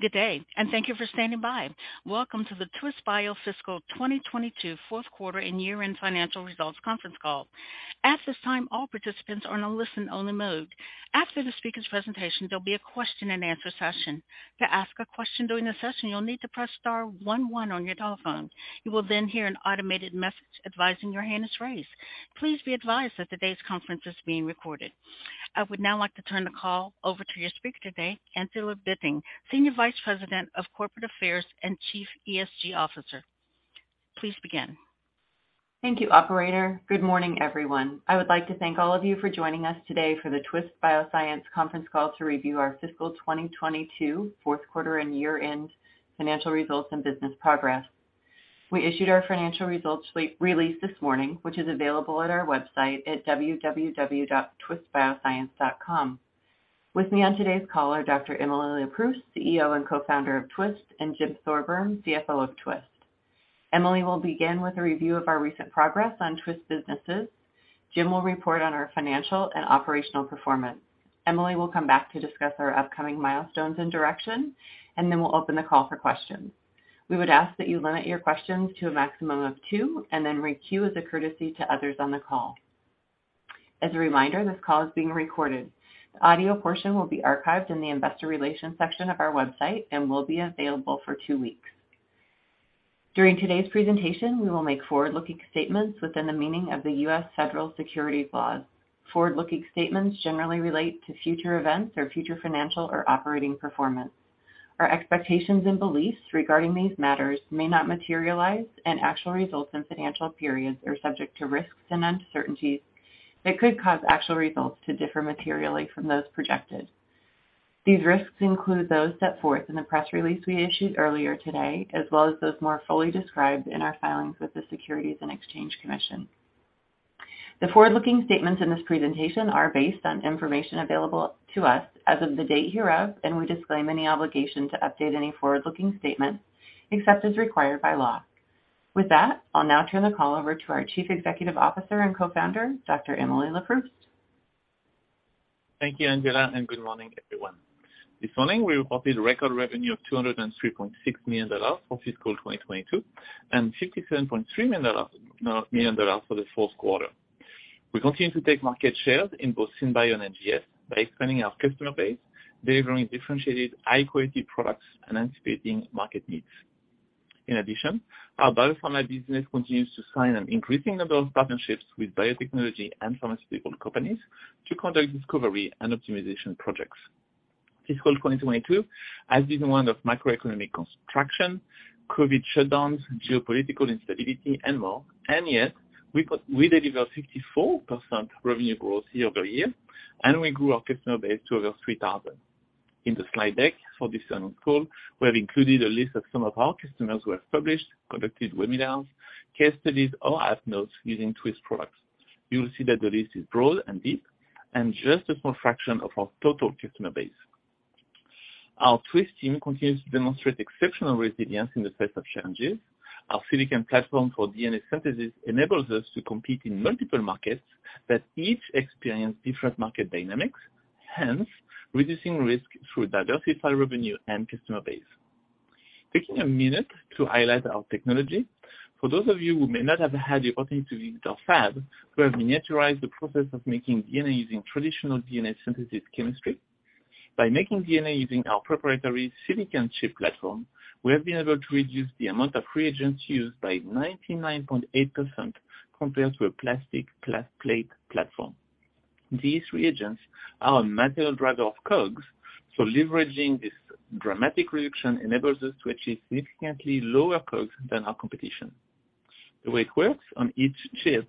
Good day, thank you for standing by. Welcome to the Twist Bio Fiscal 2022 Q4 and Year-end Financial Results Conference Call. At this time, all participants are in a listen-only mode. After the speaker's presentation, there'll be a question-and-answer session. To ask a question during the session, you'll need to press star one one on your telephone. You will then hear an automated message advising your hand is raised. Please be advised that today's conference is being recorded. I would now like to turn the call over to your speaker today, Angela Bitting, Senior Vice President of Corporate Affairs and Chief ESG Officer. Please begin. Thank you, operator. Good morning, everyone. I would like to thank all of you for joining us today for the Twist Bioscience conference call to review our Fiscal 2022 Q4 and Year-end Financial Results and Business Progress. We issued our financial results re-release this morning, which is available at our website at www.twistbioscience.com. With me on today's call are Dr. Emily LeProust, CEO and co-founder of Twist, and Jim Thorburn, CFO of Twist. Emily will begin with a review of our recent progress on Twist businesses. Jim will report on our financial and operational performance. Emily will come back to discuss our upcoming milestones and direction, and then we'll open the call for questions. We would ask that you limit your questions to a maximum of two and then requeue as a courtesy to others on the call. As a reminder, this call is being recorded. The audio portion will be archived in the investor relations section of our website and will be available for two weeks. During today's presentation, we will make forward-looking statements within the meaning of the U.S. federal securities laws. Forward-looking statements generally relate to future events or future financial or operating performance. Our expectations and beliefs regarding these matters may not materialize, and actual results and financial periods are subject to risks and uncertainties that could cause actual results to differ materially from those projected. These risks include those set forth in the press release we issued earlier today, as well as those more fully described in our filings with the Securities and Exchange Commission. The forward-looking statements in this presentation are based on information available to us as of the date hereof, and we disclaim any obligation to update any forward-looking statements except as required by law. With that, I'll now turn the call over to our Chief Executive Officer and Co-founder, Dr. Emily Leproust. Thank you, Angela, and good morning, everyone. This morning we reported record revenue of $203.6 million for fiscal 2022 and $57.3 million for the Q4. We continue to take market share in both SynBio and NGS by expanding our customer base, delivering differentiated, high-quality products, and anticipating market needs. In addition, our biopharma business continues to sign an increasing number of partnerships with biotechnology and pharmaceutical companies to conduct discovery and optimization projects. Fiscal 2022 has been one of macroeconomic contraction, COVID shutdowns, geopolitical instability, and more. Yet we delivered 64% revenue growth year-over-year, and we grew our customer base to over 3,000. In the slide deck for this call, we have included a list of some of our customers who have published, conducted webinars, case studies, or app notes using Twist products. You will see that the list is broad and deep and just a small fraction of our total customer base. Our Twist team continues to demonstrate exceptional resilience in the face of challenges. Our silicon platform for DNA synthesis enables us to compete in multiple markets that each experience different market dynamics, hence reducing risk through diversified revenue and customer base. Taking a minute to highlight our technology. For those of you who may not have had the opportunity to visit our fab, we have miniaturized the process of making DNA using traditional DNA synthesis chemistry. By making DNA using our proprietary silicon chip platform, we have been able to reduce the amount of reagents used by 99.8% compared to a plastic plate platform. These reagents are a material driver of COGS, so leveraging this dramatic reduction enables us to achieve significantly lower COGS than our competition. The way it works on each chip,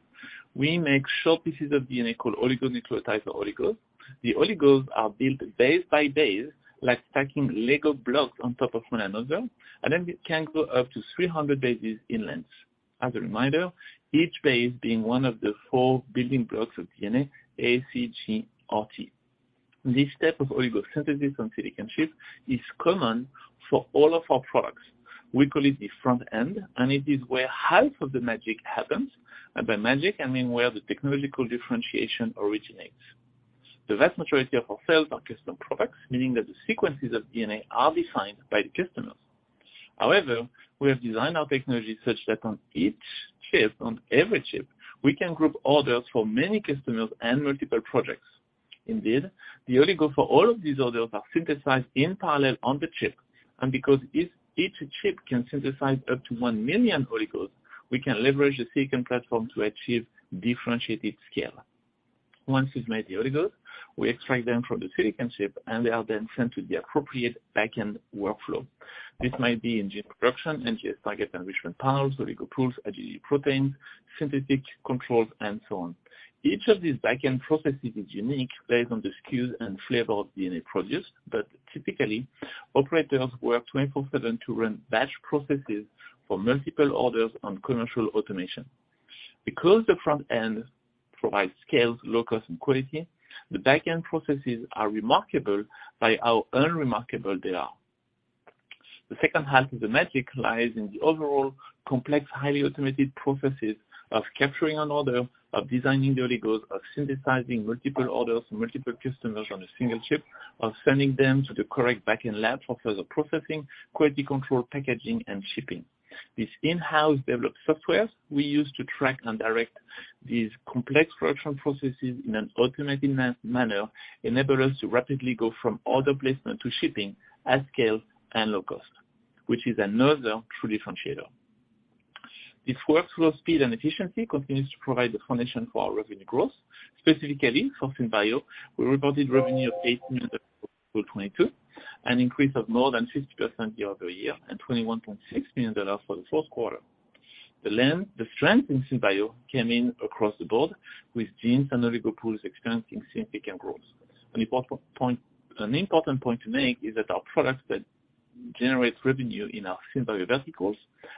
we make short pieces of DNA called oligonucleotides or oligos. The oligos are built base by base, like stacking Lego blocks on top of one another, and then can go up to 300 bases in length. As a reminder, each base being one of the four building blocks of DNA, A, C, G, or T. This type of oligo synthesis on silicon chips is common for all of our products. We call it the front end, and it is where half of the magic happens. By magic, I mean where the technological differentiation originates. The vast majority of our sales are custom products, meaning that the sequences of DNA are defined by the customers. However, we have designed our technology such that on each chip, on every chip, we can group orders for many customers and multiple projects. Indeed, the oligos for all of these orders are synthesized in parallel on the chip. Because if each chip can synthesize up to 1 million oligos, we can leverage the silicon platform to achieve differentiated scale. Once we've made the oligos, we extract them from the silicon chip, and they are then sent to the appropriate back-end workflow. This might be in gene production, NGS target enrichment panels, oligo pools, IgG proteins, synthetic controls, and so on. Each of these back-end processes is unique based on the SKUs and flavor of DNA produced, but typically, operators work 24/7 to run batch processes for multiple orders on commercial automation. Because the front end provides scale, low cost, and quality, the back-end processes are remarkable by how unremarkable they are. The second half of the magic lies in the overall complex, highly automated processes of capturing an order, of designing the oligos, of synthesizing multiple orders from multiple customers on a single chip, of sending them to the correct back-end lab for further processing, quality control, packaging, and shipping. These in-house developed softwares we use to track and direct these complex production processes in an automated manner enable us to rapidly go from order placement to shipping at scale and low cost, which is another true differentiator. This workflow speed and efficiency continues to provide the foundation for our revenue growth. Specifically, for SynBio, we reported revenue of $80 million for fiscal 2022, an increase of more than 50% year-over-year, and $21.6 million for the Q4. The strength in SynBio came in across the board with genes and Oligo Pools experiencing significant growth. An important point to make is that our products that generate revenue in our SynBio verticals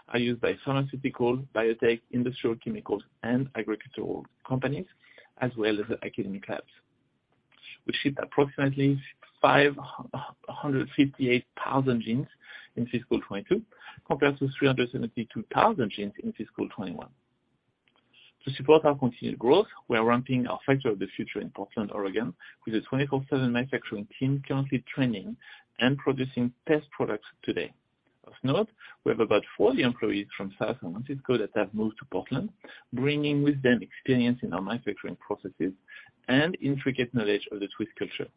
are used by pharmaceutical, biotech, industrial, chemicals, and agricultural companies, as well as academic labs. We shipped approximately 558,000 genes in fiscal 2022, compared to 372,000 genes in fiscal 2021. To support our continued growth, we are ramping our Factory of the Future in Portland, Oregon, with a 24/7 manufacturing team currently training and producing test products today. Of note, we have about 40 employees from San Francisco that have moved to Portland, bringing with them experience in our manufacturing processes and intricate knowledge of the Twist culture.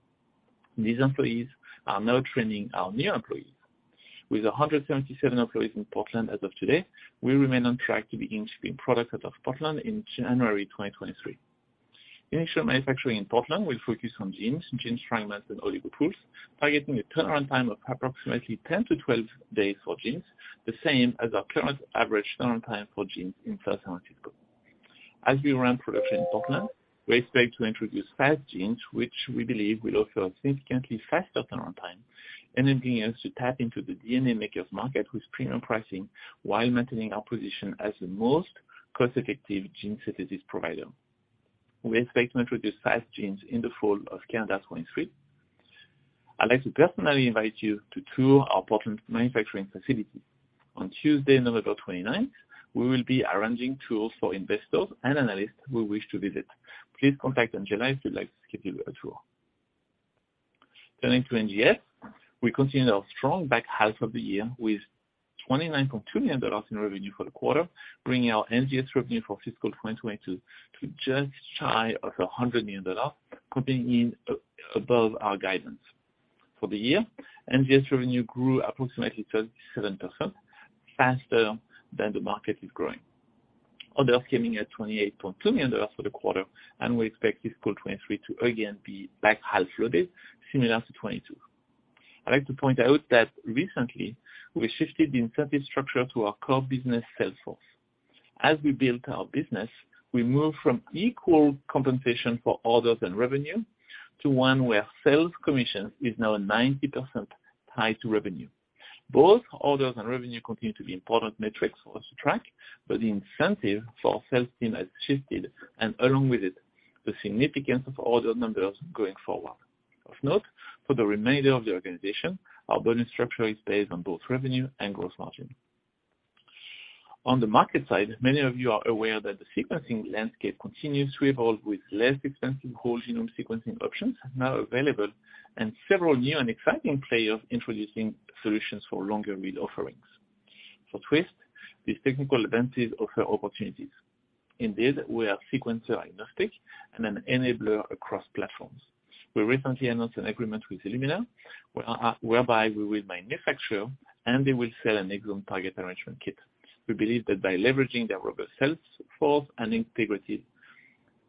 These employees are now training our new employees. With 177 employees in Portland as of today, we remain on track to begin shipping products out of Portland in January 2023. Initial manufacturing in Portland will focus on genes, Gene Fragments, and Oligo Pools, targeting a turnaround time of approximately 10-12 days for genes, the same as our current average turnaround time for genes in San Francisco. As we ramp production in Portland, we expect to introduce fast genes, which we believe will offer a significantly faster turnaround time, enabling us to tap into the DNA makers market with premium pricing while maintaining our position as the most cost-effective gene synthesis provider. We expect to introduce Express Genes in the fall of calendar 2023. I'd like to personally invite you to tour our Portland manufacturing facility. On Tuesday, November 29th, we will be arranging tours for investors and analysts who wish to visit. Please contact Angela if you'd like to schedule a tour. Turning to NGS, we continued our strong back half of the year with $29.2 million in revenue for the quarter, bringing our NGS revenue for fiscal 2022 to just shy of $100 million, coming in above our guidance. For the year, NGS revenue grew approximately 37% faster than the market is growing. Orders came in at $28.2 million for the quarter, and we expect fiscal 2023 to again be back half-loaded, similar to 2022. I'd like to point out that recently, we shifted the incentive structure to our core business sales force. As we built our business, we moved from equal compensation for orders and revenue to one where sales commission is now 90% tied to revenue. Both orders and revenue continue to be important metrics for us to track, but the incentive for our sales team has shifted, and along with it, the significance of order numbers going forward. Of note, for the remainder of the organization, our bonus structure is based on both revenue and gross margin. On the market side, many of you are aware that the sequencing landscape continues to evolve with less expensive whole-genome sequencing options now available, and several new and exciting players introducing solutions for longer read offerings. For Twist, these technical advances offer opportunities. Indeed, we are sequencer-agnostic and an enabler across platforms. We recently announced an agreement with Illumina whereby we will manufacture and they will sell an exome target enrichment kit. We believe that by leveraging their robust sales force and integrated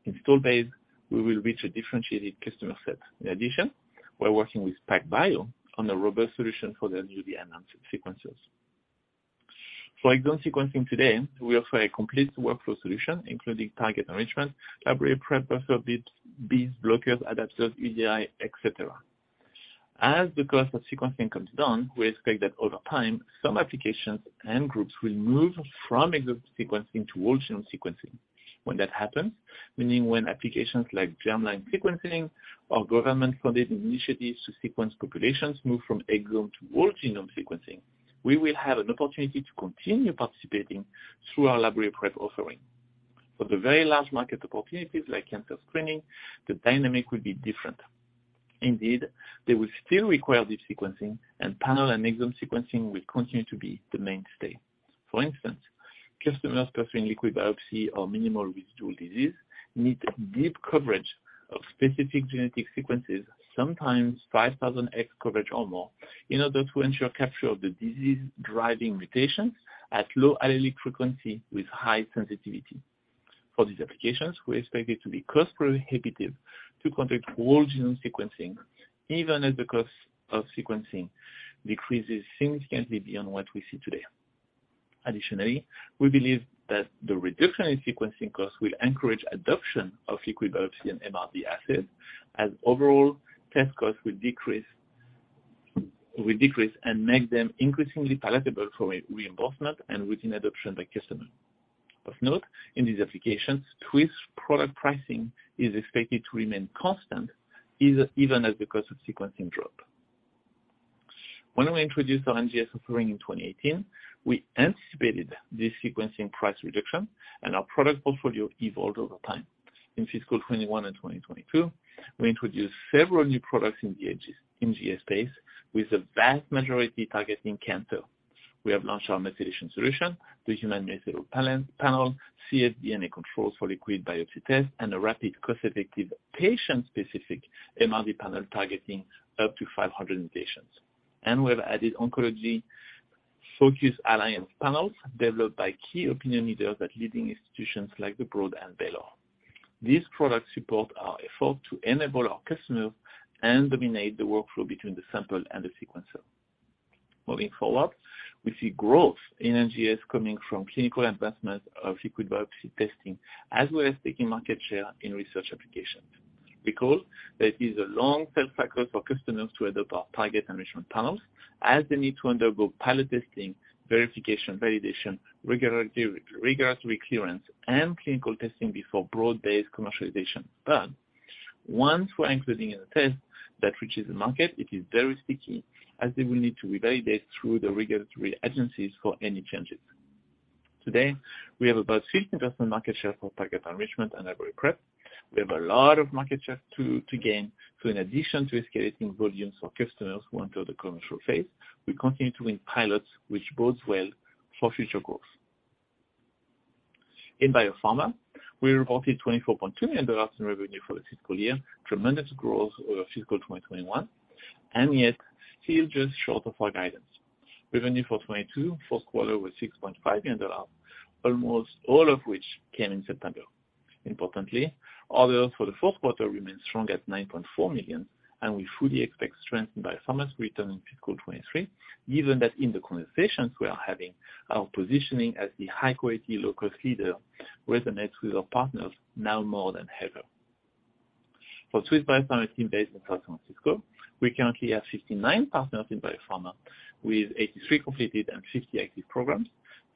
install base, we will reach a differentiated customer set. In addition, we're working with PacBio on a robust solution for their newly announced sequencers. For exome sequencing today, we offer a complete workflow solution, including target enrichment, library prep, buffers, beads, blockers, adapters, EGI, et cetera. As the cost of sequencing comes down, we expect that over time, some applications and groups will move from exome sequencing to whole genome sequencing. When that happens, meaning when applications like germline sequencing or government-funded initiatives to sequence populations move from exome to whole genome sequencing, we will have an opportunity to continue participating through our library prep offering. For the very large market opportunities like cancer screening, the dynamic will be different. Indeed, they will still require deep sequencing, and panel and exome sequencing will continue to be the mainstay. For instance, customers pursuing liquid biopsy or minimal residual disease need deep coverage of specific genetic sequences, sometimes 5,000x coverage or more, in order to ensure capture of the disease-driving mutations at low allelic frequency with high sensitivity. For these applications, we expect it to be cost prohibitive to conduct whole genome sequencing, even as the cost of sequencing decreases significantly beyond what we see today. Additionally, we believe that the reduction in sequencing costs will encourage adoption of liquid biopsy and MRD assays, as overall test costs will decrease and make them increasingly palatable for reimbursement and routine adoption by customers. Of note, in these applications, Twist product pricing is expected to remain constant, even as the cost of sequencing drop. When we introduced our NGS offering in 2018, we anticipated this sequencing price reduction and our product portfolio evolved over time. In fiscal 2021 and 2022, we introduced several new products in the NGS space with the vast majority targeting cancer. We have launched our Methylation Solution, the Human Methyl Panel, cfDNA controls for liquid biopsy test, and a rapid, cost-effective, patient-specific MRD panel targeting up to 500 mutations. We have added oncology-focused Alliance Panels developed by key opinion leaders at leading institutions like the Broad and Baylor. These products support our effort to enable our customers and dominate the workflow between the sample and the sequencer. Moving forward, we see growth in NGS coming from clinical advancement of liquid biopsy testing, as well as taking market share in research applications. Because there is a long sales cycle for customers to adopt our target enrichment panels as they need to undergo pilot testing, verification, validation, regulatory clearance, and clinical testing before broad-based commercialization. Once we're included in a test that reaches the market, it is very sticky, as they will need to be validated through the regulatory agencies for any changes. Today, we have about 50% market share for target enrichment and library prep. We have a lot of market share to gain. In addition to escalating volumes for customers who enter the commercial phase, we continue to win pilots, which bodes well for future growth. In Biopharma, we reported $24.2 million in revenue for the fiscal year, tremendous growth over fiscal 2021, and yet still just short of our guidance. Revenue for 2022 Q4 was $6.5 million, almost all of which came in September. Importantly, orders for the Q4 remain strong at $9.4 million, and we fully expect strengthened Biopharma's return in fiscal 2023, given that in the conversations we are having, our positioning as the high-quality low-cost leader resonates with our partners now more than ever. For Twist Biopharma team based in San Francisco, we currently have 59 partners in Biopharma with 83 completed and 50 active programs.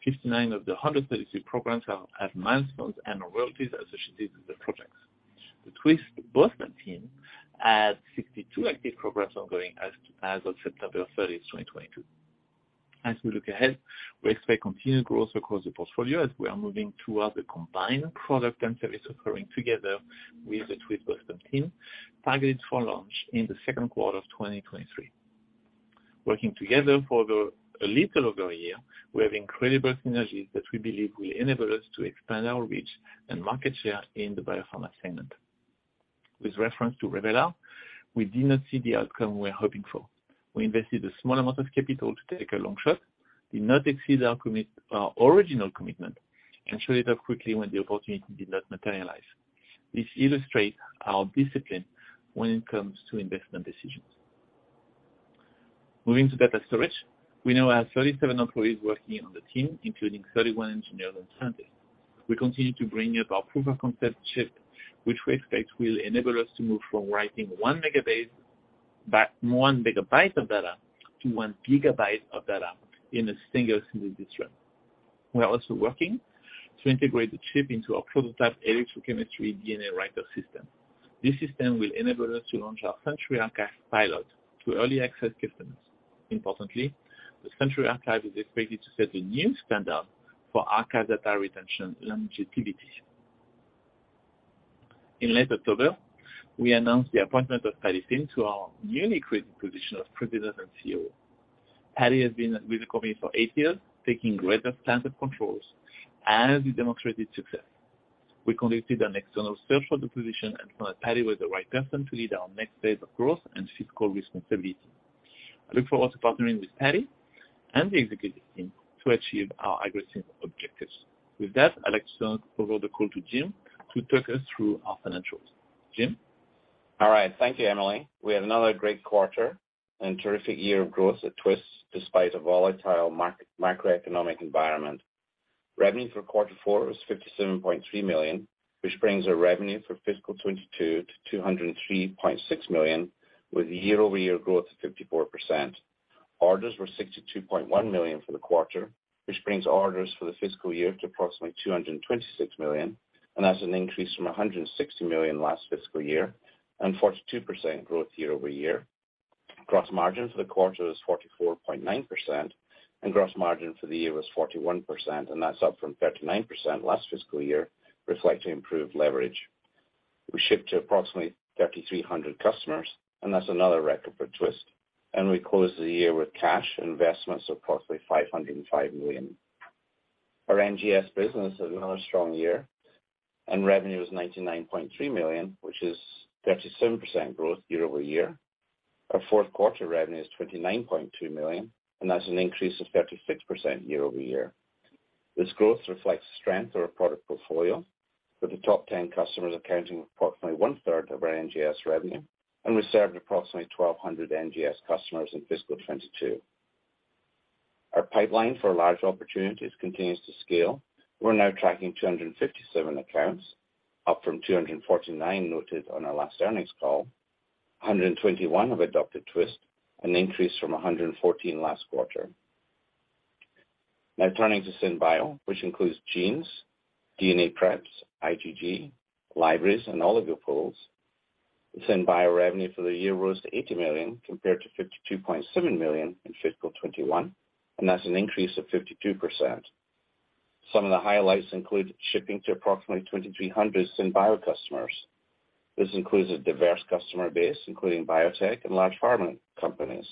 59 of the 133 programs have milestones and royalties associated with the projects. The Twist Boston team had 62 active programs ongoing as of September 30th, 2022. As we look ahead, we expect continued growth across the portfolio as we are moving towards a combined product and service offering together with the Twist Boston team, targeted for launch in the Q2 of 2023. Working together for a little over a year, we have incredible synergies that we believe will enable us to expand our reach and market share in the Biopharma segment. With reference to Revelar, we did not see the outcome we were hoping for. We invested a small amount of capital to take a long shot, did not exceed our original commitment, and shut it down quickly when the opportunity did not materialize. This illustrates our discipline when it comes to investment decisions. Moving to data storage, we now have 37 employees working on the team, including 31 engineers and scientists. We continue to bring up our proof-of-concept chip, which we expect will enable us to move from writing 1 MB of data to 1 GB of data in a single synthesis run. We are also working to integrate the chip into our prototype electrochemistry DNA writer system. This system will enable us to launch our Century Archive pilot to early access customers. Importantly, the Century Archive is expected to set a new standard for archive data retention longevity. In late October, we announced the appointment of Patrick Finn to our newly created position of President and COO. Patty has been with the company for eight years, taking greater spans of control as we demonstrated success. We conducted an external search for the position and found that Patty was the right person to lead our next phase of growth and fiscal responsibility. I look forward to partnering with Patty and the executive team to achieve our aggressive objectives. With that, I'd like to turn over the call to Jim to take us through our financials. Jim? All right. Thank you, Emily. We had another great quarter and terrific year of growth at Twist despite a volatile macroeconomic environment. Revenue for quarter four was $57.3 million, which brings our revenue for fiscal 2022 to $203.6 million, with year-over-year growth of 54%. Orders were $62.1 million for the quarter, which brings orders for the fiscal year to approximately $226 million, and that's an increase from $160 million last fiscal year and 42% growth year-over-year. Gross margin for the quarter was 44.9%, and gross margin for the year was 41%, and that's up from 39% last fiscal year, reflecting improved leverage. We shipped to approximately 3,300 customers, and that's another record for Twist. We closed the year with cash and investments of approximately $505 million. Our NGS business had another strong year, and revenue was $99.3 million, which is 37% growth year-over-year. Our Q4 revenue is $29.2 million, and that's an increase of 36% year-over-year. This growth reflects the strength of our product portfolio, with the top 10 customers accounting for approximately one-third of our NGS revenue, and we served approximately 1,200 NGS customers in fiscal 2022. Our pipeline for large opportunities continues to scale. We're now tracking 257 accounts, up from 249 noted on our last earnings call. 121 have adopted Twist, an increase from 114 last quarter. Now turning to SynBio, which includes Genes, DNA Preps, IgG, Libraries, and Oligo Pools. The SynBio revenue for the year rose to $80 million compared to $52.7 million in fiscal 2021, and that's an increase of 52%. Some of the highlights include shipping to approximately 2,300 SynBio customers. This includes a diverse customer base, including biotech and large pharma companies.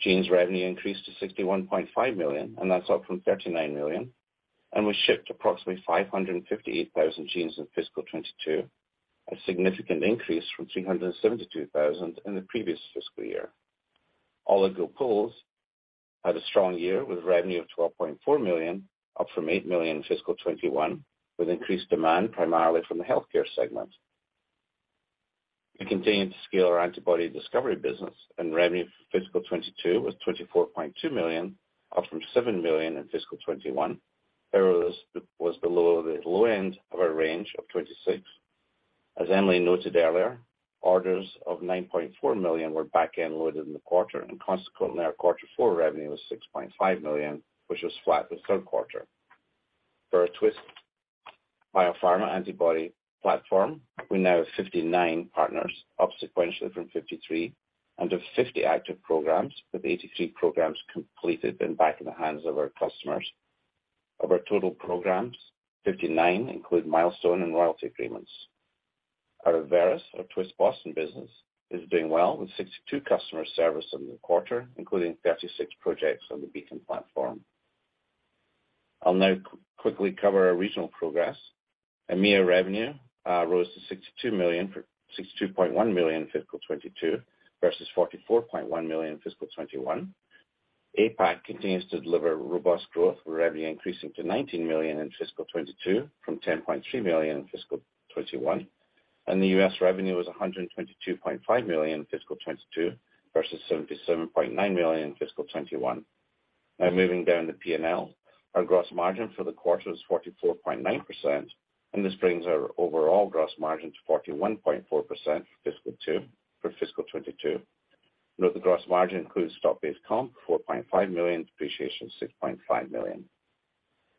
Genes revenue increased to $61.5 million, and that's up from $39 million. We shipped approximately 558,000 genes in fiscal 2022, a significant increase from 372,000 in the previous fiscal year. Oligo Pools had a strong year with revenue of $12.4 million, up from $8 million in fiscal 2021, with increased demand primarily from the healthcare segment. We continued to scale our antibody discovery business and revenue for fiscal 2022 was $24.2 million, up from $7 million in fiscal 2021. However, this was below the low end of our range of 26. As Emily noted earlier, orders of $9.4 million were back-end loaded in the quarter and consequently, our quarter four revenue was $6.5 million, which was flat with Q3. For our Twist Biopharma antibody platform, we now have 59 partners, up sequentially from 53, and have 50 active programs, with 83 programs completed and back in the hands of our customers. Of our total programs, 59 include milestone and royalty agreements. Our Abveris, our Twist Boston business, is doing well with 62 customers serviced in the quarter, including 36 projects on the Beacon platform. I'll now quickly cover our regional progress. EMEA revenue rose to $62.1 million in fiscal 2022 versus $44.1 million in fiscal 2021. APAC continues to deliver robust growth, with revenue increasing to $19 million in fiscal 2022 from $10.3 million in fiscal 2021. The U.S. revenue was $122.5 million in fiscal 2022 versus $77.9 million in fiscal 2021. Now moving down the P&L, our gross margin for the quarter was 44.9%, and this brings our overall gross margin to 41.4% for fiscal 2022. Note the gross margin includes stock-based comp, $4.5 million, depreciation $6.5 million.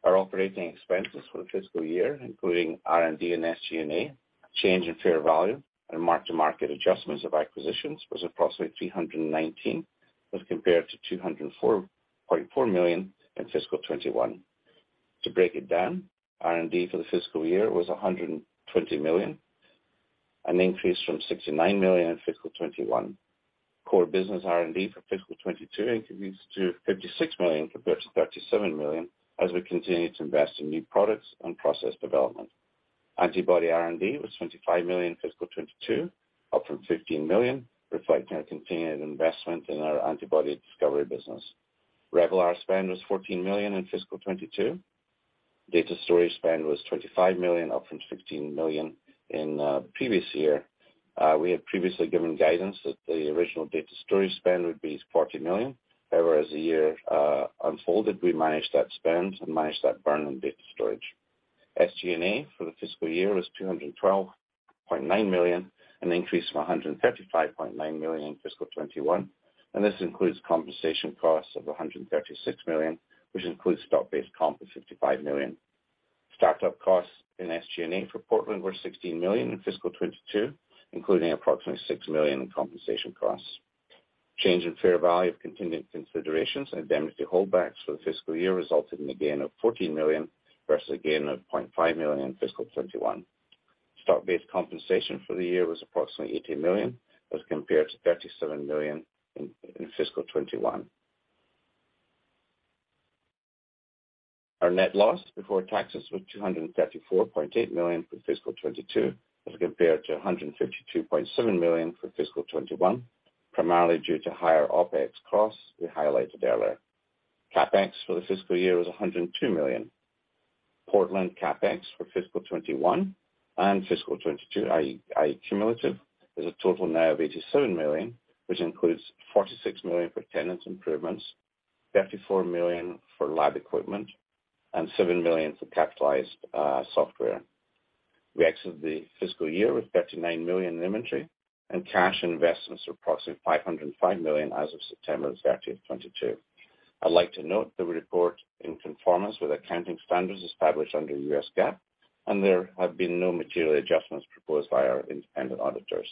Our operating expenses for the fiscal year, including R&D and SG&A, change in fair value and mark-to-market adjustments of acquisitions was approximately $319 million, as compared to $204.4 million in fiscal 2021. To break it down, R&D for the fiscal year was $120 million, an increase from $69 million in fiscal 2021. Core business R&D for fiscal 2022 increased to $56 million compared to $37 million as we continue to invest in new products and process development. Antibody R&D was $25 million in fiscal 2022, up from $15 million, reflecting our continued investment in our antibody discovery business. Revelar spend was $14 million in fiscal 2022. Data storage spend was $25 million up from $15 million in previous year. We had previously given guidance that the original data storage spend would be $40 million. However, as the year unfolded, we managed that spend and managed that burn in data storage. SG&A for the fiscal year was $212.9 million, an increase from $135.9 million in fiscal 2021, and this includes compensation costs of $136 million, which includes stock-based comp of $55 million. Startup costs in SG&A for Portland were $16 million in fiscal 2022, including approximately $6 million in compensation costs. Change in fair value of contingent considerations and indemnity holdbacks for the fiscal year resulted in a gain of $14 million versus a gain of $0.5 million in fiscal 2021. Stock-based compensation for the year was approximately $18 million as compared to $37 million in fiscal 2021. Our net loss before taxes was $234.8 million for fiscal 2022 as compared to $152.7 million for fiscal 2021, primarily due to higher OpEx costs we highlighted earlier. CapEx for the fiscal year was $102 million. Portland CapEx for fiscal 2021 and fiscal 2022, cumulative, is a total now of $87 million, which includes $46 million for tenant improvements, $34 million for lab equipment, and $7 million for capitalized software. We exited the fiscal year with $39 million in inventory and cash and investments of approximately $505 million as of September 30th, 2022. I'd like to note that we report in conformance with accounting standards established under U.S. GAAP, and there have been no material adjustments proposed by our independent auditors.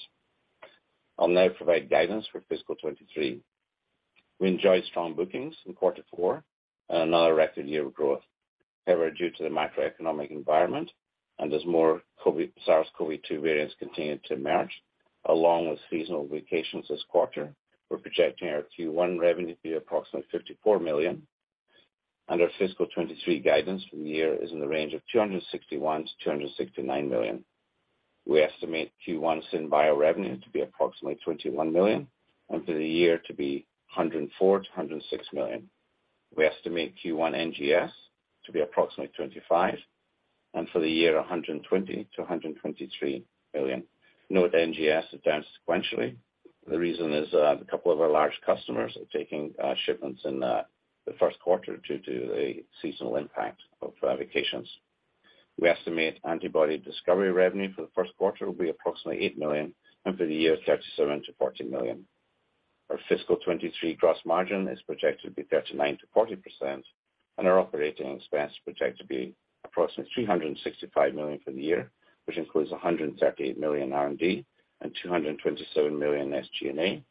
I'll now provide guidance for fiscal 2023. We enjoyed strong bookings in quarter four and another record year of growth. However, due to the macroeconomic environment, and as more SARS-CoV-2 variants continue to emerge, along with seasonal vacations this quarter, we're projecting our Q1 revenue to be approximately $54 million. Our fiscal 2023 guidance for the year is in the range of $261 million-$269 million. We estimate Q1 SynBio revenue to be approximately $21 million and for the year to be $104 million-$106 million. We estimate Q1 NGS to be approximately $25 and for the year, $120 million-$123 million. Note NGS is down sequentially. The reason is a couple of our large customers are taking shipments in the Q1 due to a seasonal impact of vacations. We estimate antibody discovery revenue for the Q1 will be approximately $8 million and for the year, $37 million-$40 million. Our fiscal 2023 gross margin is projected to be 39%-40% and our operating expense is projected to be approximately $365 million for the year, which includes $138 million R&D and $227 million SG&A.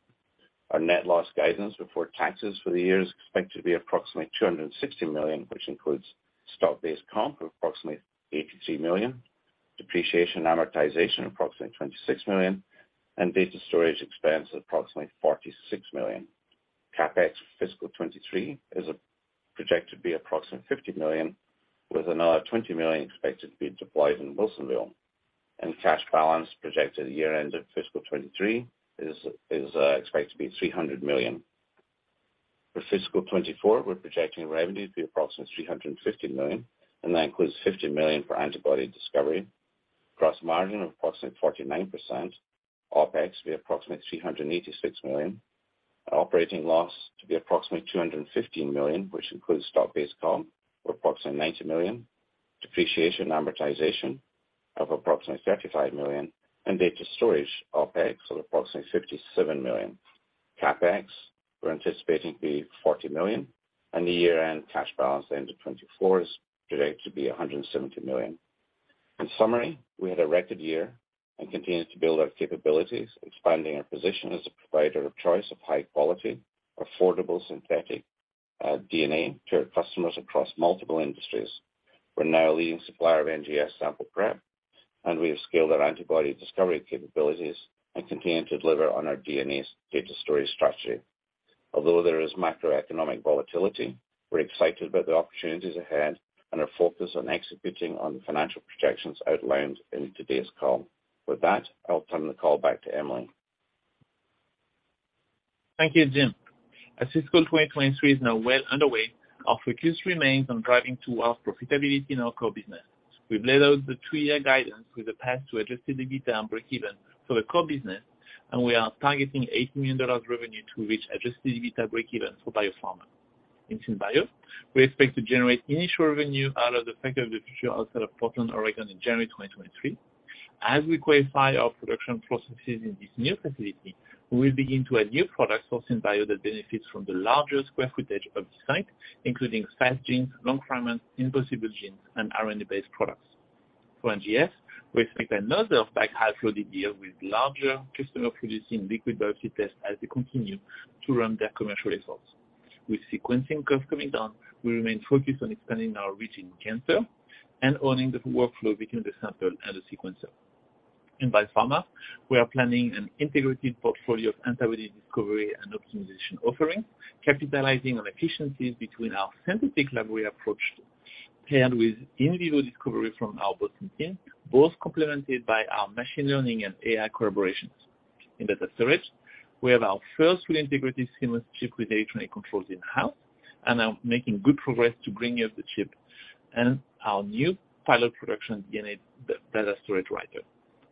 Our net loss guidance before taxes for the year is expected to be approximately $260 million, which includes stock-based comp of approximately $83 million, depreciation and amortization approximately $26 million, and data storage expense approximately $46 million. CapEx fiscal 2023 is projected to be approximately $50 million with another $20 million expected to be deployed in Wilsonville. Cash balance projected year end of fiscal 2023 is expected to be $300 million. For fiscal 2024, we're projecting revenue to be approximately $350 million, and that includes $50 million for antibody discovery. Gross margin of approximately 49%, OpEx to be approximately $386 million, operating loss to be approximately $215 million, which includes stock-based comp of approximately $90 million, depreciation and amortization of approximately $35 million, and data storage OpEx of approximately $57 million. CapEx, we're anticipating to be $40 million and the year-end cash balance at the end of 2024 is projected to be $170 million. In summary, we had a record year and continued to build our capabilities, expanding our position as a provider of choice of high-quality, affordable synthetic DNA to our customers across multiple industries. We're now a leading supplier of NGS sample prep, and we have scaled our antibody discovery capabilities and continued to deliver on our DNA data storage strategy. Although there is macroeconomic volatility, we're excited about the opportunities ahead and are focused on executing on the financial projections outlined in today's call. With that, I'll turn the call back to Emily. Thank you, Jim. As fiscal 2023 is now well underway, our focus remains on driving towards profitability in our core business. We've laid out the three-year guidance with a path to Adjusted EBITDA and breakeven for the core business, and we are targeting $80 million revenue to reach Adjusted EBITDA breakeven for Biopharma. In SynBio, we expect to generate initial revenue out of the Factory of the Future outside of Portland, Oregon in January 2023. As we qualify our production processes in this new facility, we'll begin to add new products for SynBio that benefits from the larger square footage of the site, including Express Genes, long fragment, impossible genes, and R&D based products. For NGS, we expect another of high-throughput deal with larger customer producing liquid biopsy tests as they continue to run their commercial results. With sequencing costs coming down, we remain focused on expanding our reach in cancer and owning the workflow between the sample and the sequencer. In Biopharma, we are planning an integrated portfolio of antibody discovery and optimization offerings, capitalizing on efficiencies between our synthetic library approach paired with in vivo discovery from our Boston team, both complemented by our machine learning and AI collaborations. In data storage, we have our first fully integrated seamless chip with A to Z controls in-house and are making good progress to bring you the chip and our new pilot production DNA data storage writer.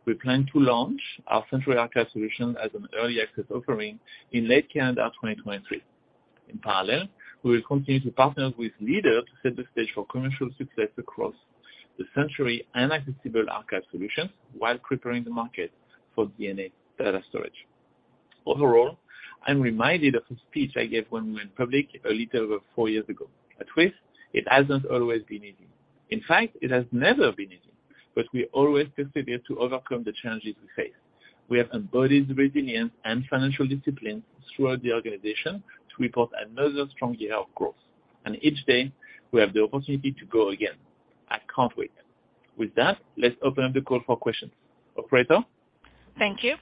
We plan to launch our Century Archive solution as an early access offering in late calendar 2023. In parallel, we will continue to partner with leaders to set the stage for commercial success across the Century and accessible archive solutions while preparing the market for DNA data storage. Overall, I'm reminded of a speech I gave when we went public a little over four years ago. At Twist, it hasn't always been easy. In fact, it has never been easy. We always persevere to overcome the challenges we face. We have embodied resilience and financial discipline throughout the organization to report another strong year of growth. Each day, we have the opportunity to go again. I can't wait. With that, let's open up the call for questions. Operator? Thank you.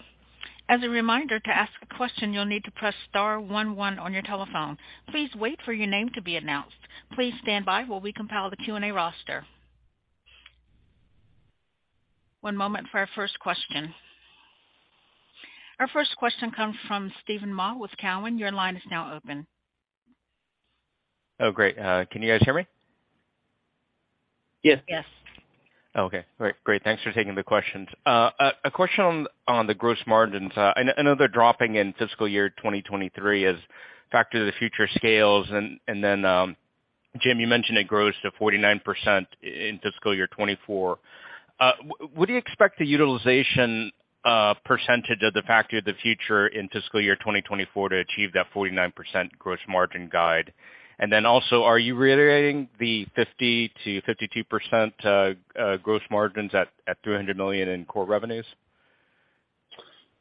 As a reminder, to ask a question, you'll need to press star one one on your telephone. Please wait for your name to be announced. Please stand by while we compile the Q&A roster. One moment for our first question. Our first question comes from Steven Mah with Cowen. Your line is now open. Oh, great. Can you guys hear me? Yes. Yes. Okay, great. Great. Thanks for taking the questions. A question on the gross margins. I know they're dropping in fiscal year 2023 as Factory of the Future scales and then, Jim, you mentioned it grows to 49% in fiscal year 2024. Would you expect the utilization percentage of the Factory of the Future in fiscal year 2024 to achieve that 49% gross margin guide? Are you reiterating the 50%-52% gross margins at $300 million in core revenues?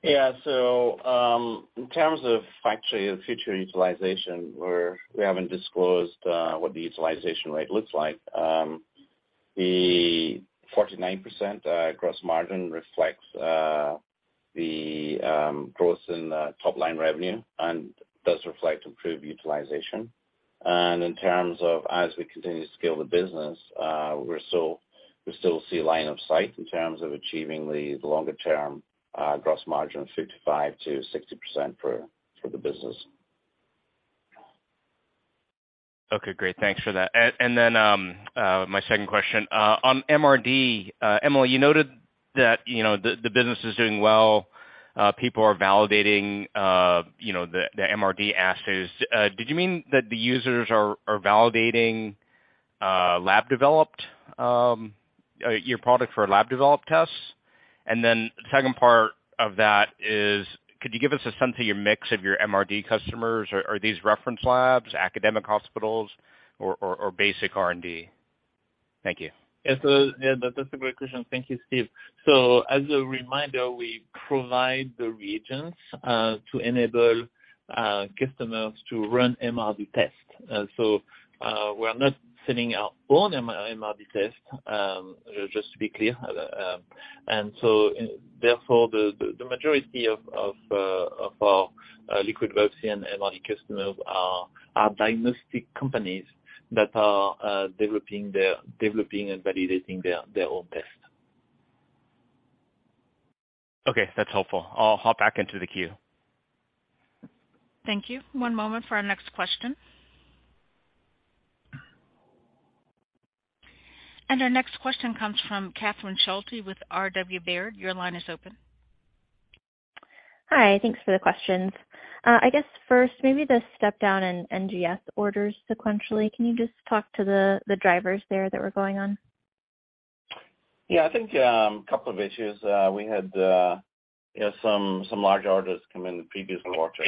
Yeah. So, um, in terms of Factor of the Future utilization, we're-we haven't disclosed, uh, what the utilization rate looks like. Um, the 49%, uh, gross margin reflects, uh, the, um, growth in, uh, top line revenue and does reflect improved utilization. And in terms of as we continue to scale the business, uh, we're still-we still see line of sight in terms of achieving the longer term, uh, gross margin of 55%-60% for the business. Okay, great. Thanks for that. My second question on MRD, Emily, you noted that, you know, the business is doing well. People are validating, you know, the MRD assays. Did you mean that the users are validating your product for lab-developed tests? Second part of that is, could you give us a sense of your mix of your MRD customers? Are these reference labs, academic hospitals or basic R&D? Thank you. Yes, yeah, that's a great question. Thank you, Steve. As a reminder, we provide the reagents to enable customers to run MRD tests. We're not sending out own MRD test, just to be clear. Therefore, the majority of our liquid biopsy and MRD customers are diagnostic companies that are developing and validating their own test. Okay. That's helpful. I'll hop back into the queue. Thank you. One moment for our next question. Our next question comes from Catherine Schulte with R.W. Baird. Your line is open. Hi. Thanks for the questions. I guess first, maybe the step down in NGS orders sequentially. Can you just talk to the drivers there that were going on? Yeah, I think a couple of issues. We had some large orders come in the previous quarter.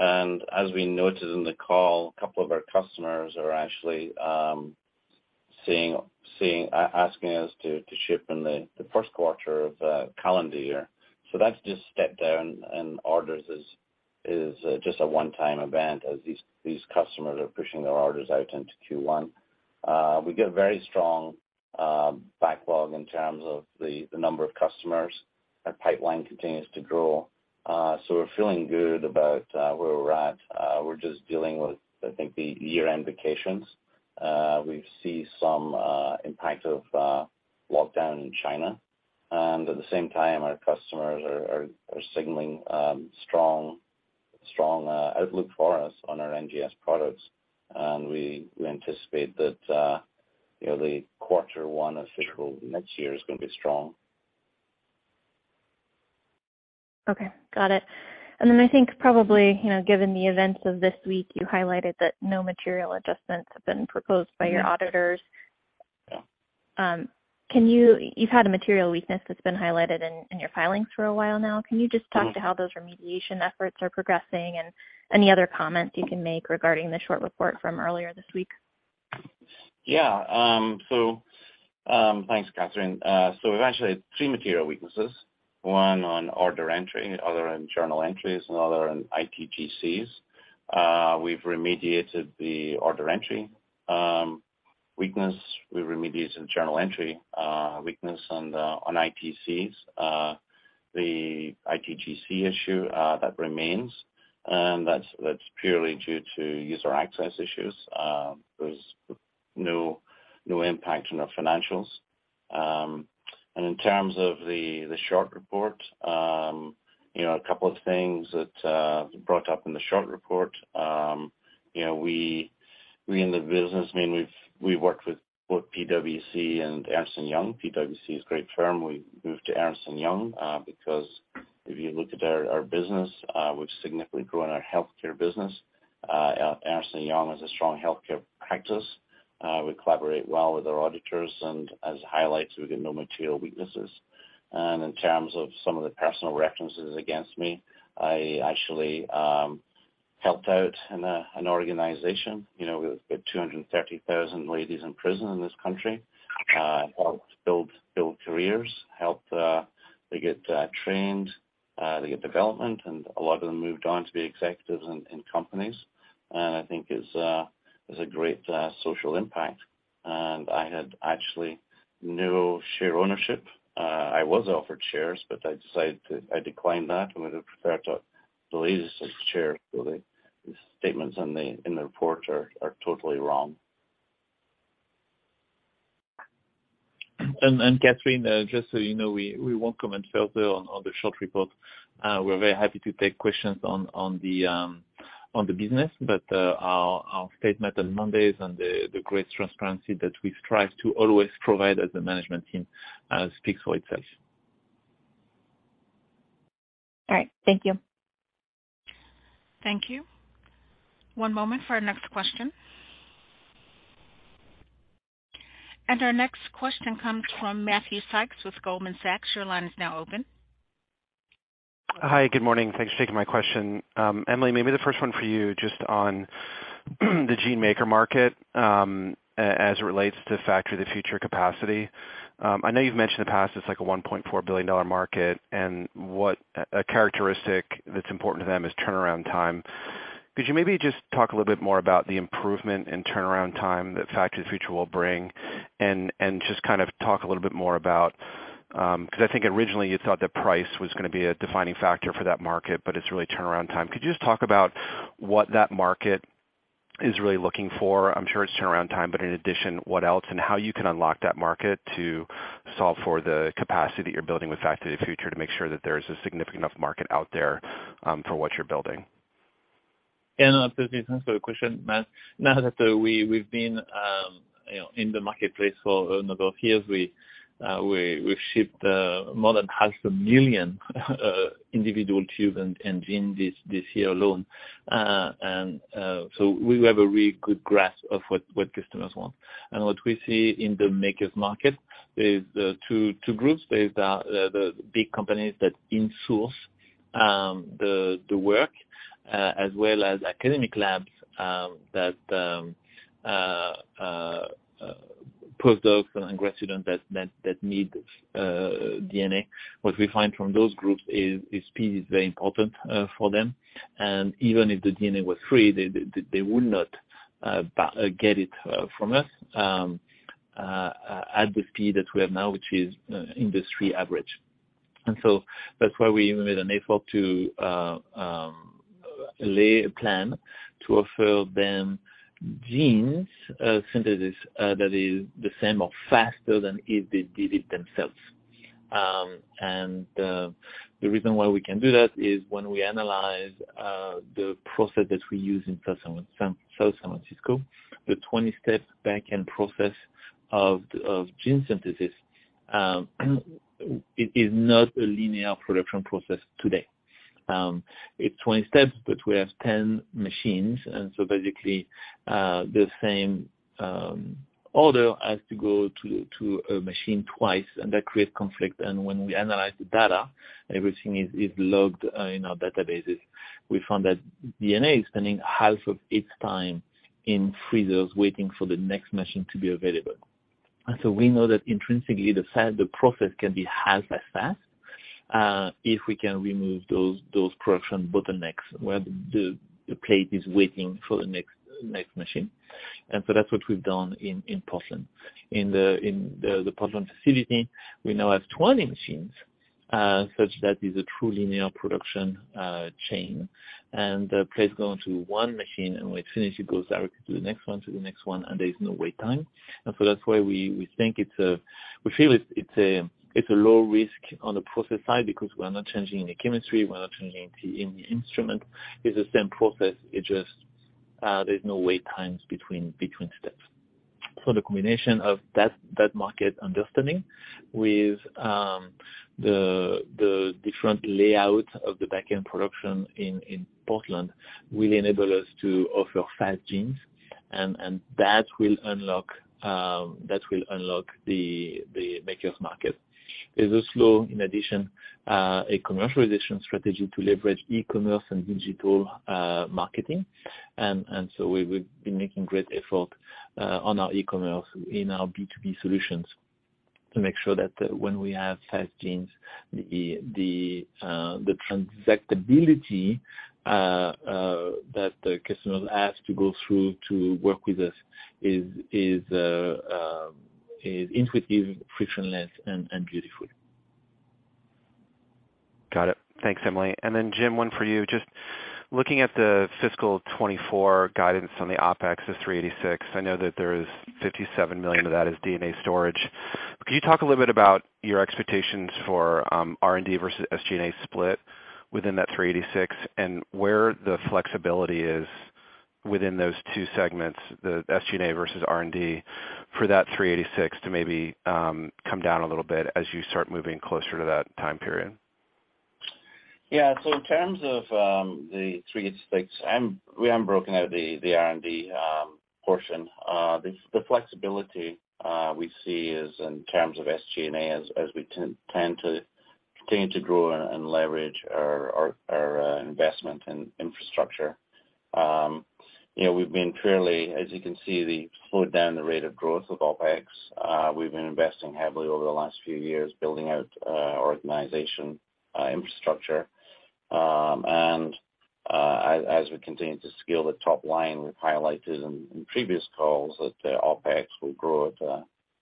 As we noted in the call, a couple of our customers are actually asking us to ship in the Q1 of calendar year. That's just step down and orders is just a one-time event as these customers are pushing their orders out into Q1. We get very strong backlog in terms of the number of customers. Our pipeline continues to grow. We're feeling good about where we're at. We're just dealing with, I think, the year-end vacations. We see some impact of lockdown in China. At the same time, our customers are signaling strong outlook for us on our NGS products. We anticipate that, you know, the quarter one fiscal next year is gonna be strong. Okay. Got it. I think probably, you know, given the events of this week, you highlighted that no material adjustments have been proposed by your auditors. Yeah. You've had a material weakness that's been highlighted in your filings for a while now. Can you just talk to how those remediation efforts are progressing and any other comments you can make regarding the short report from earlier this week? Yeah. Thanks, Catherine. We've actually had three material weaknesses, one on order entry, other in journal entries, and other in ITGCs. We've remediated the order entry weakness. We've remediated the journal entry weakness on ITGCs. The ITGC issue that remains, and that's purely due to user access issues. There's no impact on our financials. In terms of the short report, you know, a couple of things that brought up in the short report. You know, we in the business, I mean, we worked with both PwC and Ernst & Young. PwC is a great firm. We moved to Ernst & Young because if you look at our business, we've significantly grown our healthcare business. Ernst & Young has a strong healthcare practice. We collaborate well with our auditors and as highlights, we get no material weaknesses. In terms of some of the personal references against me, I actually helped out in an organization, you know, with 230,000 ladies in prison in this country, helped build careers, helped they get trained, they get development, and a lot of them moved on to be executives in companies. I think it's a great social impact. I had actually no share ownership. I was offered shares, but I declined that. I would have preferred to the ladies of the charity. The statements in the report are totally wrong. Catherine, just so you know, we won't comment further on the short report. We're very happy to take questions on the business, but our statement on Monday's and the great transparency that we strive to always provide as a management team speaks for itself. All right. Thank you. Thank you. One moment for our next question. Our next question comes from Matthew Sykes with Goldman Sachs. Your line is now open. Hi. Good morning. Thanks for taking my question. Emily, maybe the first one for you, just on the gene maker market, as it relates to Factory of the Future capacity. I know you've mentioned in the past it's like a $1.4 billion market, and what a characteristic that's important to them is turnaround time. Could you maybe just talk a little bit more about the improvement in turnaround time that Factory of the Future will bring? Just kind of talk a little bit more about, 'cause I think originally you thought that price was gonna be a defining factor for that market, but it's really turnaround time. Could you just talk about what that market is really looking for? I'm sure it's turnaround time, but in addition, what else and how you can unlock that market to solve for the capacity that you're building with Factory of the Future to make sure that there's a significant enough market out there for what you're building? Yeah, no, to answer your question, Matt, now that we've been, you know, in the marketplace for a number of years, we've shipped more than half a million individual tubes and in this year alone. We have a really good grasp of what customers want. What we see in the makers market is the two groups. There's the big companies that insource the work as well as academic labs that postdocs and grad students that need DNA. What we find from those groups is speed is very important for them. Even if the DNA was free, they would not get it from us at the speed that we have now, which is industry average. That's why we made an effort to lay a plan to offer them genes synthesis that is the same or faster than if they did it themselves. The reason why we can do that is when we analyze the process that we use in San Francisco, the 20-step backend process of gene synthesis, it is not a linear production process today. It's 20 steps, but we have 10 machines. Basically, the same order has to go to a machine twice and that creates conflict. When we analyze the data, everything is logged in our databases. We found that DNA is spending half of its time in freezers waiting for the next machine to be available. We know that intrinsically, the size of the process can be half as fast if we can remove those production bottlenecks where the plate is waiting for the next machine. That's what we've done in Portland. In the Portland facility, we now have 20 machines such that it's a true linear production chain. The plates go into one machine, and when it's finished, it goes directly to the next one, and there's no wait time. That's why we feel it's a low risk on the process side because we're not changing any chemistry, we're not changing any instrument. It's the same process. It just, there's no wait times between steps. The combination of that market understanding with the different layout of the backend production in Portland will enable us to offer Express Genes and that will unlock the makers market. There's also, in addition, a commercialization strategy to leverage e-commerce and digital marketing. We've been making great effort on our e-commerce in our B2B solutions to make sure that when we have Express Genes, the transactability that the customer has to go through to work with us is intuitive, frictionless, and beautiful. Got it. Thanks, Emily. Jim, one for you. Just looking at the fiscal 2024 guidance on the OpEx of $386, I know that there's $57 million of that is DNA storage. Could you talk a little bit about your expectations for R&D versus SG&A split within that $386 million and where the flexibility is within those two segments, the SG&A versus R&D, for that $386 million to maybe come down a little bit as you start moving closer to that time period? Yeah. In terms of the $386 million, we haven't broken out the R&D portion. The flexibility we see is in terms of SG&A as we tend to continue to grow and leverage our investment in infrastructure. You know, we've been fairly, as you can see, slowed down the rate of growth of OpEx. We've been investing heavily over the last few years, building out our organization infrastructure. As we continue to scale the top line, we've highlighted in previous calls that OpEx will grow at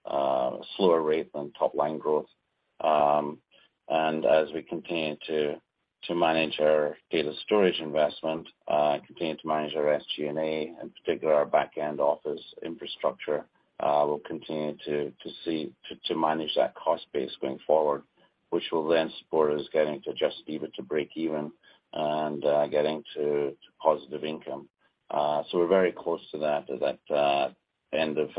a slower rate than top line growth. As we continue to manage our data storage investment, continue to manage our SG&A, in particular our back-end office infrastructure, we'll continue to manage that cost base going forward, which will then support us getting to Adjusted EBITDA break-even and getting to positive income. We're very close to that end of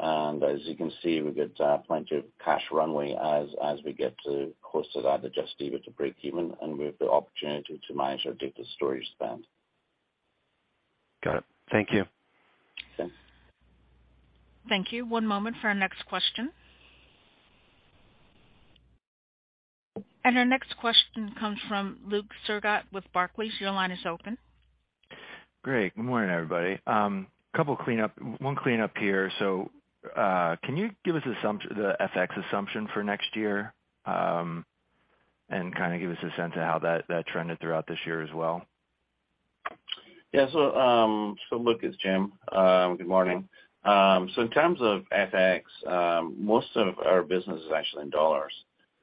2024. As you can see, we've got plenty of cash runway as we get to close to that Adjusted EBITDA break-even, and we have the opportunity to manage our data storage spend. Got it. Thank you. Thanks. Thank you. One moment for our next question. Our next question comes from Luke Sergott with Barclays. Your line is open. Great. Good morning, everybody. One cleanup here. Can you give us the FX assumption for next year and kinda give us a sense of how that trended throughout this year as well? Yeah. Luke, it's Jim. Good morning. In terms of FX, most of our business is actually in dollars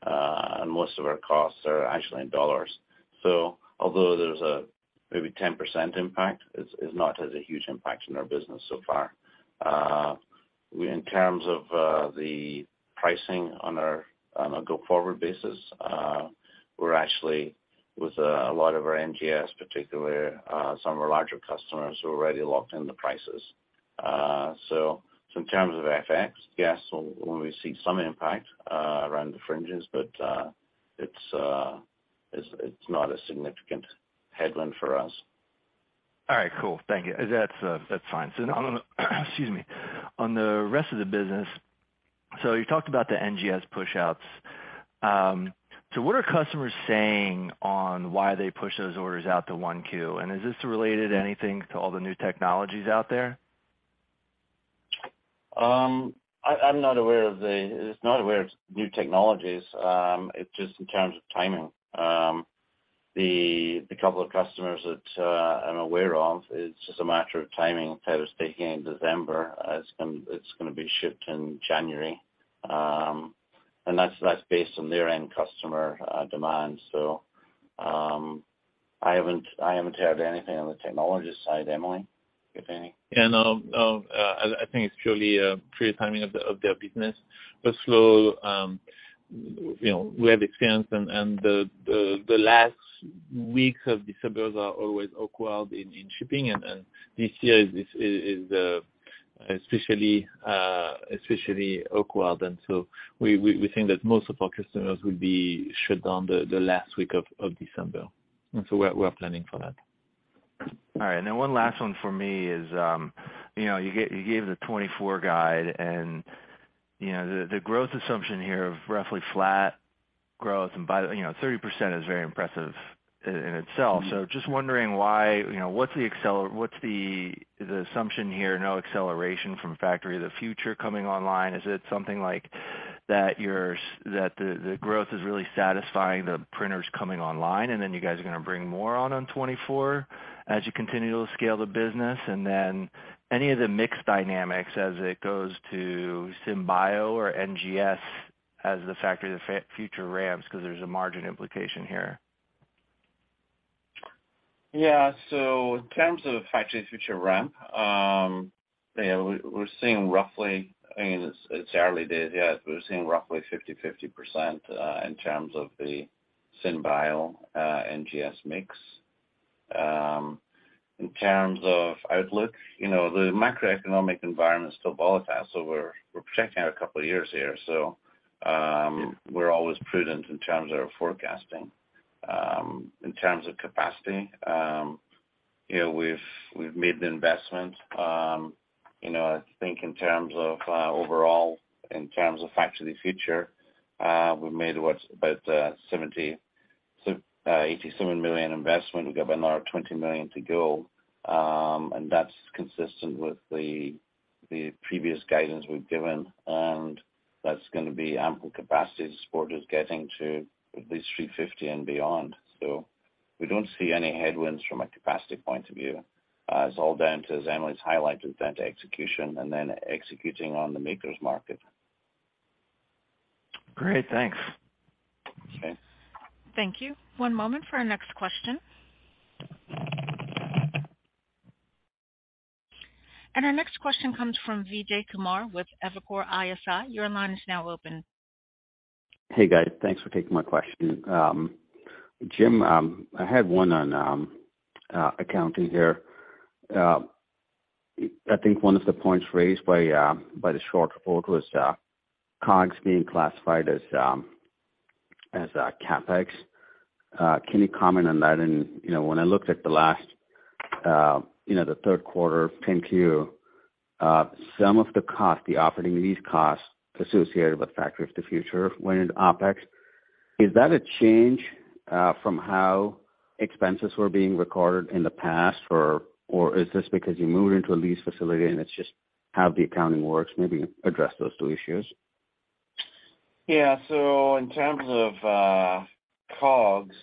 and most of our costs are actually in dollars. Although there's a maybe 10% impact, it's not has a huge impact on our business so far. In terms of the pricing on a go-forward basis, we're actually with a lot of our NGS, particularly some of our larger customers who already locked in the prices. In terms of FX, yes, we'll receive some impact around the fringes, but it's not a significant headwind for us. All right, cool. Thank you. That's fine. Excuse me, on the rest of the business, you talked about the NGS pushouts. What are customers saying on why they push those orders out to 1Q? Is this related anything to all the new technologies out there? It's not aware of new technologies. It's just in terms of timing. The couple of customers that I'm aware of, it's just a matter of timing. If I was picking in December, it's gonna be shipped in January. That's based on their end customer demand. I haven't heard anything on the technology side. Emily, you have any? Yeah. No, no. I think it's pure timing of their business. Slow, you know, we have experience and the last weeks of December are always awkward in shipping. This year is especially awkward. We think that most of our customers will be shut down the last week of December. We're planning for that. One last one for me is, you know, you gave the 2024 guide and, you know, the growth assumption here of roughly flat growth and by, you know, 30% is very impressive in itself. Just wondering why, you know, what's the assumption here, no acceleration from Factory of the Future coming online? Is it something like that the growth is really satisfying the printers coming online, and then you guys are gonna bring more on 2024 as you continue to scale the business? Any of the mix dynamics as it goes to SynBio or NGS as the Factory of the Future ramps, because there's a margin implication here? Yeah. In terms of Factory of the Future ramp, yeah, we're seeing roughly, I mean, it's early days yet, we're seeing roughly 50/50% in terms of the SynBio NGS mix. In terms of outlook, you know, the macroeconomic environment is still volatile, so we're projecting out a couple of years here. We're always prudent in terms of forecasting. In terms of capacity, you know, we've made the investment. You know, I think in terms of overall, in terms of Factory of the Future, we've made what's about $87 million investment. We've got about another $20 million to go. That's consistent with the previous guidance we've given, and that's gonna be ample capacity to support us getting to at least 350 and beyond. We don't see any headwinds from a capacity point of view. It's all down to, as Emily's highlighted, execution and then executing on the makers market. Great. Thanks. Okay. Thank you. One moment for our next question. Our next question comes from Vijay Kumar with Evercore ISI. Your line is now open. Hey, guys. Thanks for taking my question. Jim, I had one on accounting here. I think one of the points raised by the short report was COGS being classified as CapEx. Can you comment on that? You know, when I looked at the last, you know, the Q3 10-Q, some of the costs, the operating lease costs associated with Factory of the Future went into OpEx. Is that a change from how expenses were being recorded in the past or is this because you moved into a lease facility and it's just how the accounting works? Maybe address those two issues. In terms of COGS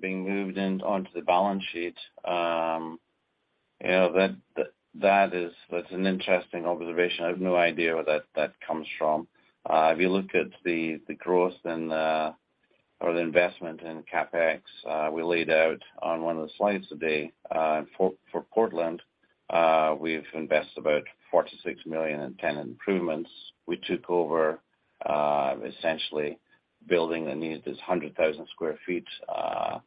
being moved in onto the balance sheet, you know, that's an interesting observation. I have no idea where that comes from. If you look at the investment in CapEx we laid out on one of the slides today for Portland, we've invested about $4 million-$6 million in tenant improvements. We took over essentially building that needs this 100,000 sq ft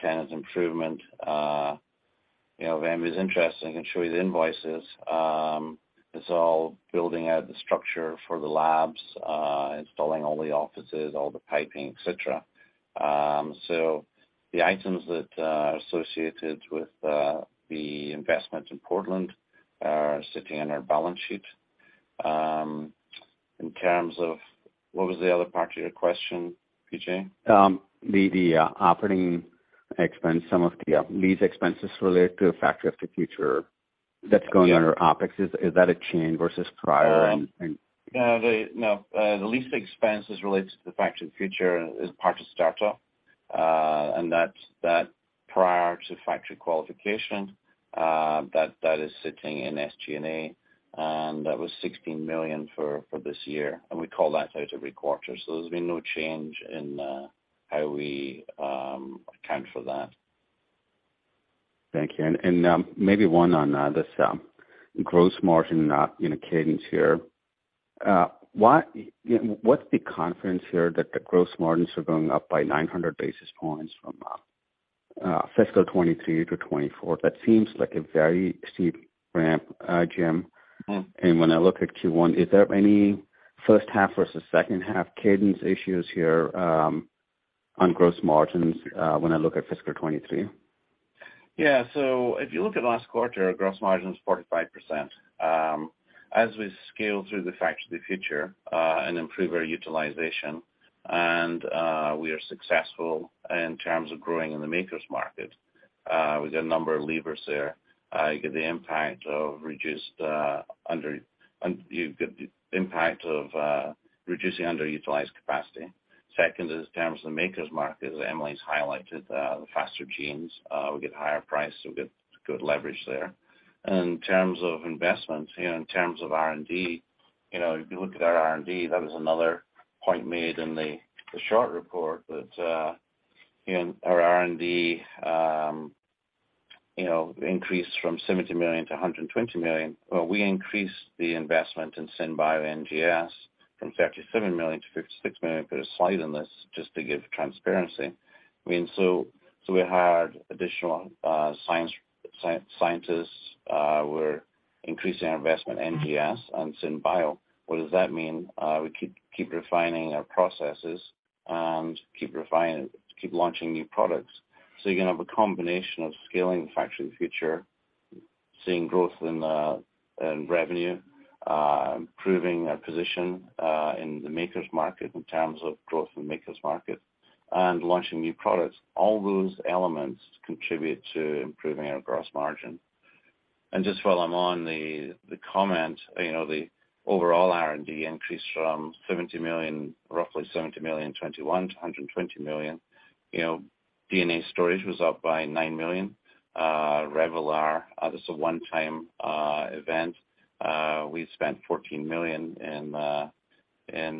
tenant improvement. You know, if anybody's interested, I can show you the invoices. It's all building out the structure for the labs, installing all the offices, all the piping, et cetera. The items that are associated with the investment in Portland are sitting on our balance sheet. What was the other part of your question, Vijay? The operating expense, some of the lease expenses related to Factory of the Future that's going under OpEx. Is that a change versus prior? Yeah. No. The lease expense related to the Factory of the Future is part of startup, and that prior to factory qualification, that is sitting in SG&A, and that was $16 million for this year. We call that out every quarter. There's been no change in how we account for that. Thank you. Maybe one on this gross margin, you know, cadence here. You know, what's the confidence here that the gross margins are going up by 900 basis points from fiscal 2023-2024? That seems like a very steep ramp, Jim. Mm. When I look at Q1, is there any first half versus second half cadence issues here on gross margins when I look at fiscal 2023? If you look at last quarter, gross margin is 45%. As we scale through the Factory of the Future and improve our utilization and we are successful in terms of growing in the makers market, we got a number of levers there. You get the impact of reducing underutilized capacity. Second is in terms of the makers market, as Emily's highlighted, the faster genes, we get higher price, so we get good leverage there. In terms of investments, you know, in terms of R&D, you know, if you look at our R&D, that was another point made in the short report that, you know, our R&D increased from $70 million-$120 million. Well, we increased the investment in SynBio NGS from $57 million-$56 million. Put a slide in this just to give transparency. I mean, we hired additional scientists, we're increasing our investment in NGS and SynBio. What does that mean? We keep refining our processes and keep launching new products. You're gonna have a combination of scaling the Factory of the Future, seeing growth in revenue, improving our position in the makers market in terms of growth in makers market and launching new products. All those elements contribute to improving our gross margin. Just while I'm on the comment, you know, the overall R&D increased from roughly $70 million in 2021 to $120 million. You know, DNA storage was up by $9 million. Revelar, this is a one-time event. We spent $14 million in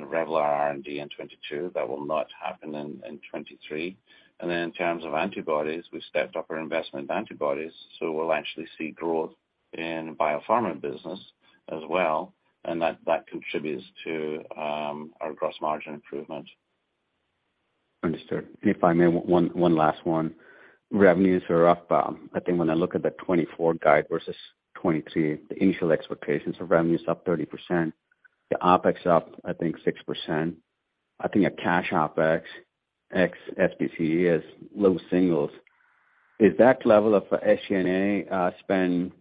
Revelar R&D in 2022. That will not happen in 2023. In terms of antibodies, we've stepped up our investment in antibodies, so we'll actually see growth in biopharma business as well, and that contributes to our gross margin improvement. Understood. If I may, one last one. Revenues are up. I think when I look at the 2024 guide versus 2023, the initial expectations of revenue is up 30%. The OpEx up, I think, 6%. I think a cash OpEx ex SBC is low singles. Is that level of SG&A spend,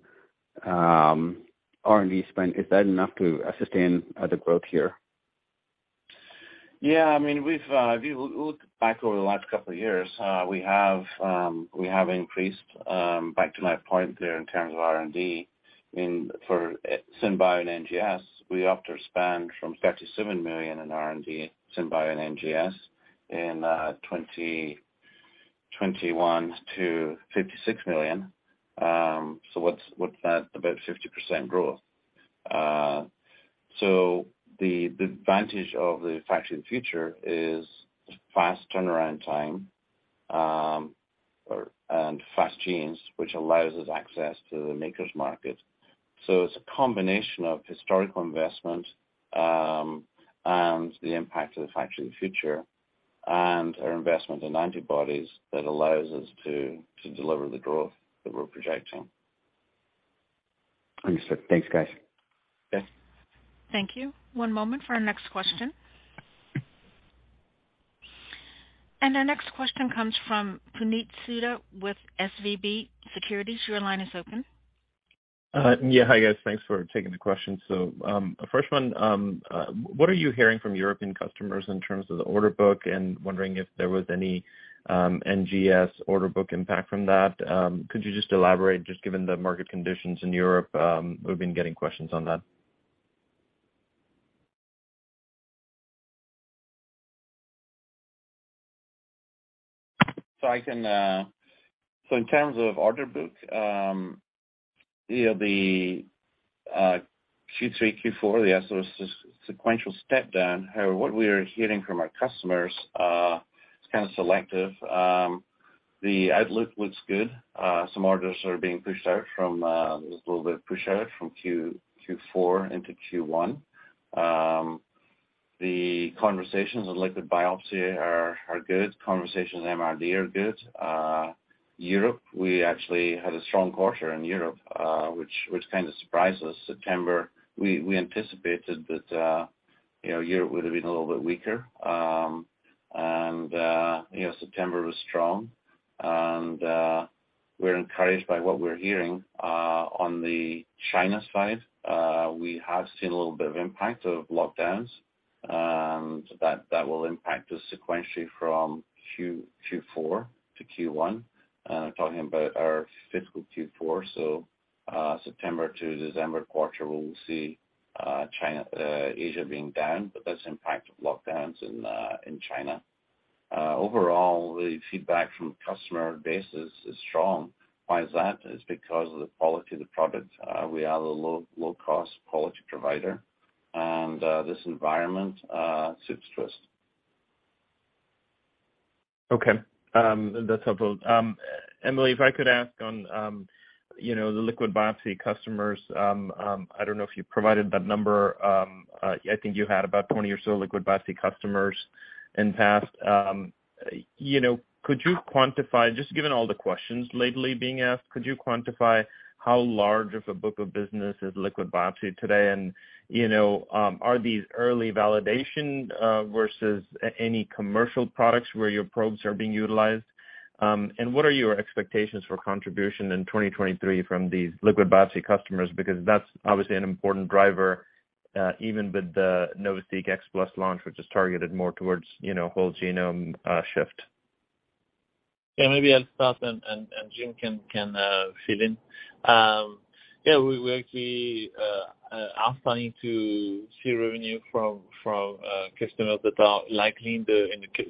R&D spend, is that enough to sustain the growth here? Yeah. I mean, we've, if you look back over the last couple of years, we have increased, back to my point there in terms of R&D in, for SynBio and NGS. We upped our spend from $37 million in R&D, SynBio and NGS in 2021 to $56 million. What's that? About 50% growth. The advantage of the Factory of the Future is fast turnaround time, or and Express Genes, which allows us access to the makers market. It's a combination of historical investment and the impact of the Factory of the Future and our investment in antibodies that allows us to deliver the growth that we're projecting. Understood. Thanks, guys. Yes. Thank you. One moment for our next question. Our next question comes from Puneet Souda with SVB Securities. Your line is open. Yeah. Hi, guys. Thanks for taking the question. First one, what are you hearing from European customers in terms of the order book and wondering if there was any NGS order book impact from that? Could you just elaborate just given the market conditions in Europe? We've been getting questions on that. In terms of order book, you know, the Q3, Q4, the sequential step down. However, what we're hearing from our customers, it's kind of selective. The outlook looks good. Some orders are being just a little bit pushed out from Q4 into Q1. The conversations on liquid biopsy are good. Conversations with MRD are good. Europe, we actually had a strong quarter in Europe, which kind of surprised us. September we anticipated that, you know, Europe would have been a little bit weaker. You know, September was strong and we're encouraged by what we're hearing. On the China side, we have seen a little bit of impact of lockdowns that will impact us sequentially from Q4 to Q1. Talking about our fiscal Q4, so September to December quarter, we'll see China, Asia being down, but that's impact of lockdowns in China. Overall, the feedback from customer base is strong. Why is that? It's because of the quality of the product. We are the low-cost quality provider and this environment suits us. Okay. That's helpful. Emily, if I could ask on, you know, the liquid biopsy customers, I don't know if you provided that number. I think you had about 20 or so liquid biopsy customers in past. You know, just given all the questions lately being asked, could you quantify how large of a book of business is liquid biopsy today? You know, are these early validation versus any commercial products where your probes are being utilized? What are your expectations for contribution in 2023 from these liquid biopsy customers? Because that's obviously an important driver, even with the NovaSeq X Plus launch, which is targeted more towards, you know, whole genome shift. Yeah, maybe I'll start and Jim can fill in. Yeah, we actually are starting to see revenue from customers that are likely in the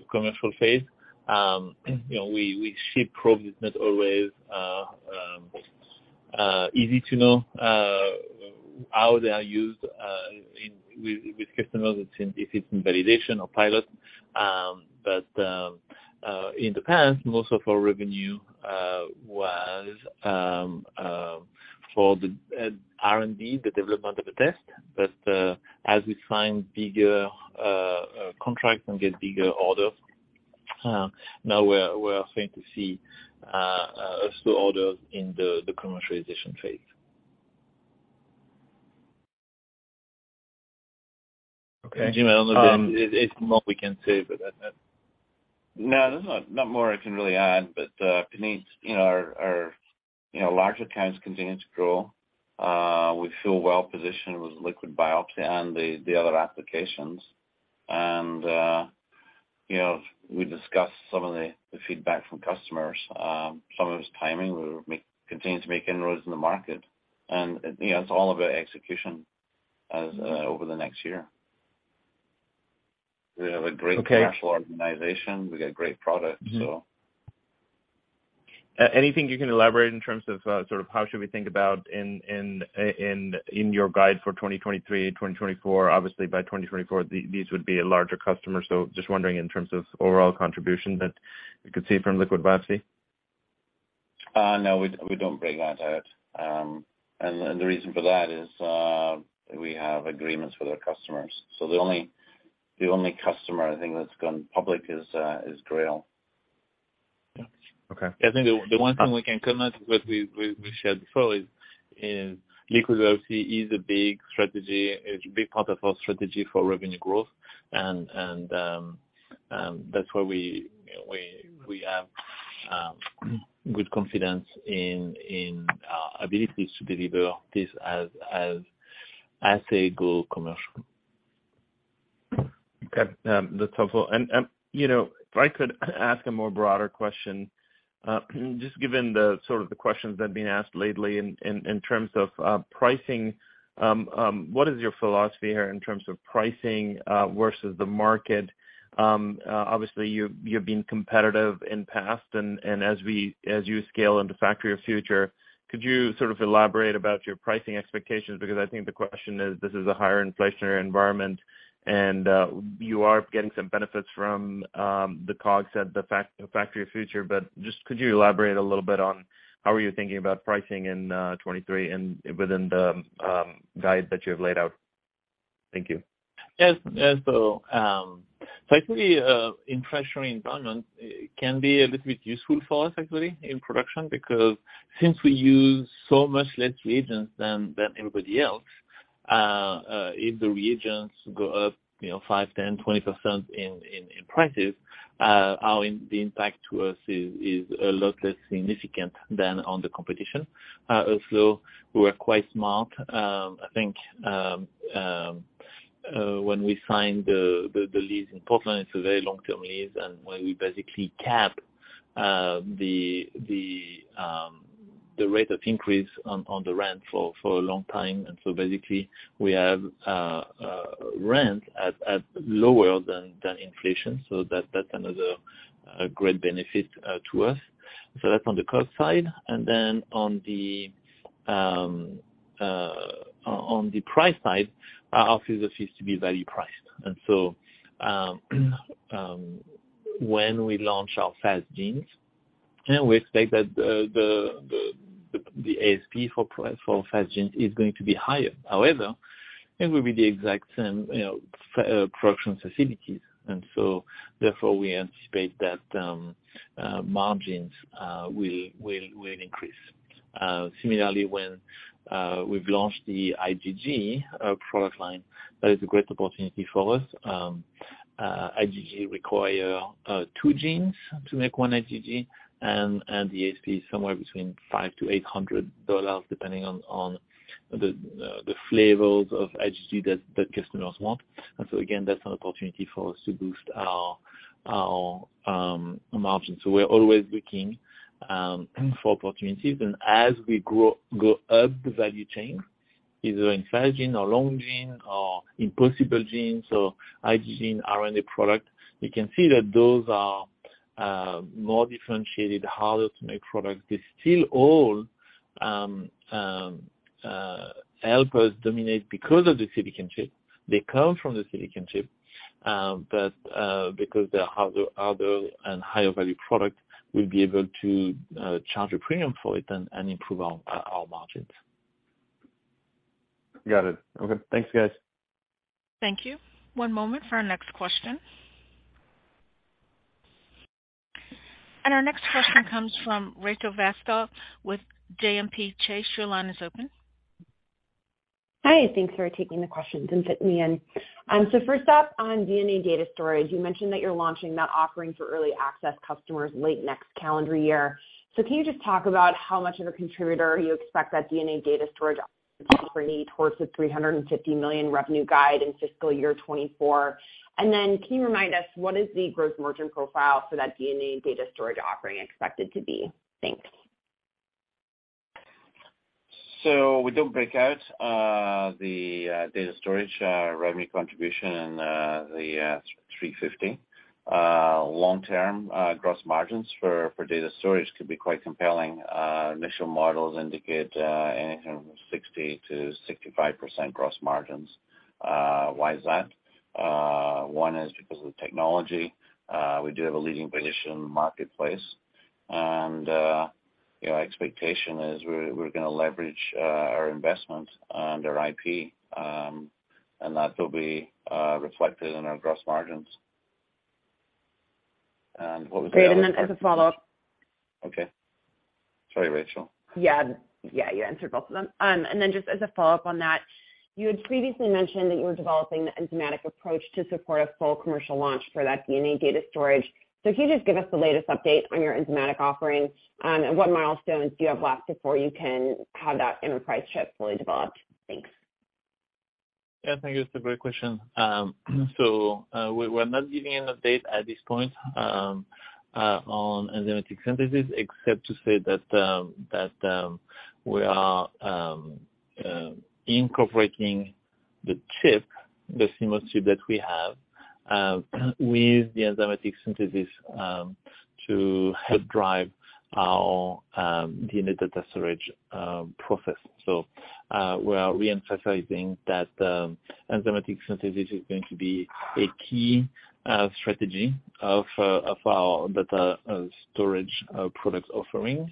commercial phase. You know, we see probes, it's not always easy to know how they are used with customers if it's in validation or pilot. In the past, most of our revenue was for the R&D, the development of a test. As we find bigger contracts and get bigger orders, now we're starting to see slow orders in the commercialization phase. Okay. Jim, I don't know if there is more we can say about that. No, there's not more I can really add. Puneet, you know, our, you know, larger accounts continue to grow. We feel well positioned with liquid biopsy and the other applications. You know, we discussed some of the feedback from customers. Some of it's timing. We'll continue to make inroads in the market. You know, it's all about execution over the next year. Okay. Commercial organization. We got great products. Mm-hmm. Anything you can elaborate in terms of sort of how should we think about in your guide for 2023, 2024? Obviously, by 2024, these would be a larger customer. Just wondering in terms of overall contribution that we could see from liquid biopsy. No, we don't break that out. The reason for that is we have agreements with our customers. The only customer I think that's gone public is Grail. Yeah. Okay. I think the one thing we can comment what we shared before is liquid biopsy is a big strategy, a big part of our strategy for revenue growth. That's why we have good confidence in our abilities to deliver this as they go commercial. Okay. That's helpful. You know, if I could ask a more broader question, just given the sort of the questions that have been asked lately in terms of pricing, what is your philosophy here in terms of pricing versus the market? Obviously you've been competitive in past and as you scale into Factory of the Future, could you sort of elaborate about your pricing expectations? Because I think the question is, this is a higher inflationary environment and you are getting some benefits from the COGS at the Factory of the Future. Just could you elaborate a little bit on how are you thinking about pricing in 2023 and within the guide that you have laid out? Thank you. Yes. Yeah, actually, inflationary environment can be a little bit useful for us actually in production. Because since we use so much less reagents than everybody else, if the reagents go up, you know, 5%, 10%, 20% in prices, the impact to us is a lot less significant than on the competition. Also we're quite smart. I think when we signed the lease in Portland, it's a very long-term lease, and where we basically cap the rate of increase on the rent for a long time. Basically, we have rent at lower than inflation. That's another great benefit to us. That's on the cost side. On the price side, our assays are value-priced. When we launch our Express Genes, you know, we expect that the ASP for Express Genes is going to be higher. However, it will be the exact same, you know, production facilities. Therefore, we anticipate that margins will increase. Similarly, when we've launched the IgG product line, that is a great opportunity for us. IgG require two genes to make one IgG, and the ASP is somewhere between $500-$800, depending on the flavors of IgG that customers want. Again, that's an opportunity for us to boost our margins. We're always looking for opportunities. As we go up the value chain, either in Fast Gene or Long Gene or Impossible Genes, so IgG RNA product, we can see that those are more differentiated, harder to make products. They still all help us dominate because of the silicon chip. They come from the silicon chip. Because they are harder and higher value product, we'll be able to charge a premium for it and improve our margins. Got it. Okay. Thanks, guys. Thank you. One moment for our next question. Our next question comes from Rachel Vatnsdal with JPMorgan Chase. Your line is open. Hi, thanks for taking the questions and fitting me in. First up on DNA data storage, you mentioned that you're launching that offering for early access customers late next calendar year. Can you just talk about how much of a contributor you expect that DNA data storage offering towards the $350 million revenue guide in fiscal year 2024? Can you remind us what is the gross margin profile for that DNA data storage offering expected to be? Thanks. We don't break out the data storage revenue contribution in the $350. Long-term gross margins for data storage could be quite compelling. Initial models indicate anything from 60%-65% gross margins. Why is that? One is because of the technology. We do have a leading position in the marketplace, and your expectation is we're gonna leverage our investment under IP, and that will be reflected in our gross margins. What was the other part? Great. As a follow-up. Okay. Sorry, Rachel. Yeah, you answered both of them. Just as a follow-up on that, you had previously mentioned that you were developing the enzymatic approach to support a full commercial launch for that DNA data storage. Can you just give us the latest update on your enzymatic offering? What milestones do you have left before you can have that enterprise chip fully developed? Thanks. Yeah. Thank you. It's a great question. We're not giving an update at this point on enzymatic synthesis except to say that we are incorporating the chip, the SIM card chip that we have, with the enzymatic synthesis to help drive our DNA data storage process. We are reemphasizing that enzymatic synthesis is going to be a key strategy of our data storage product offering.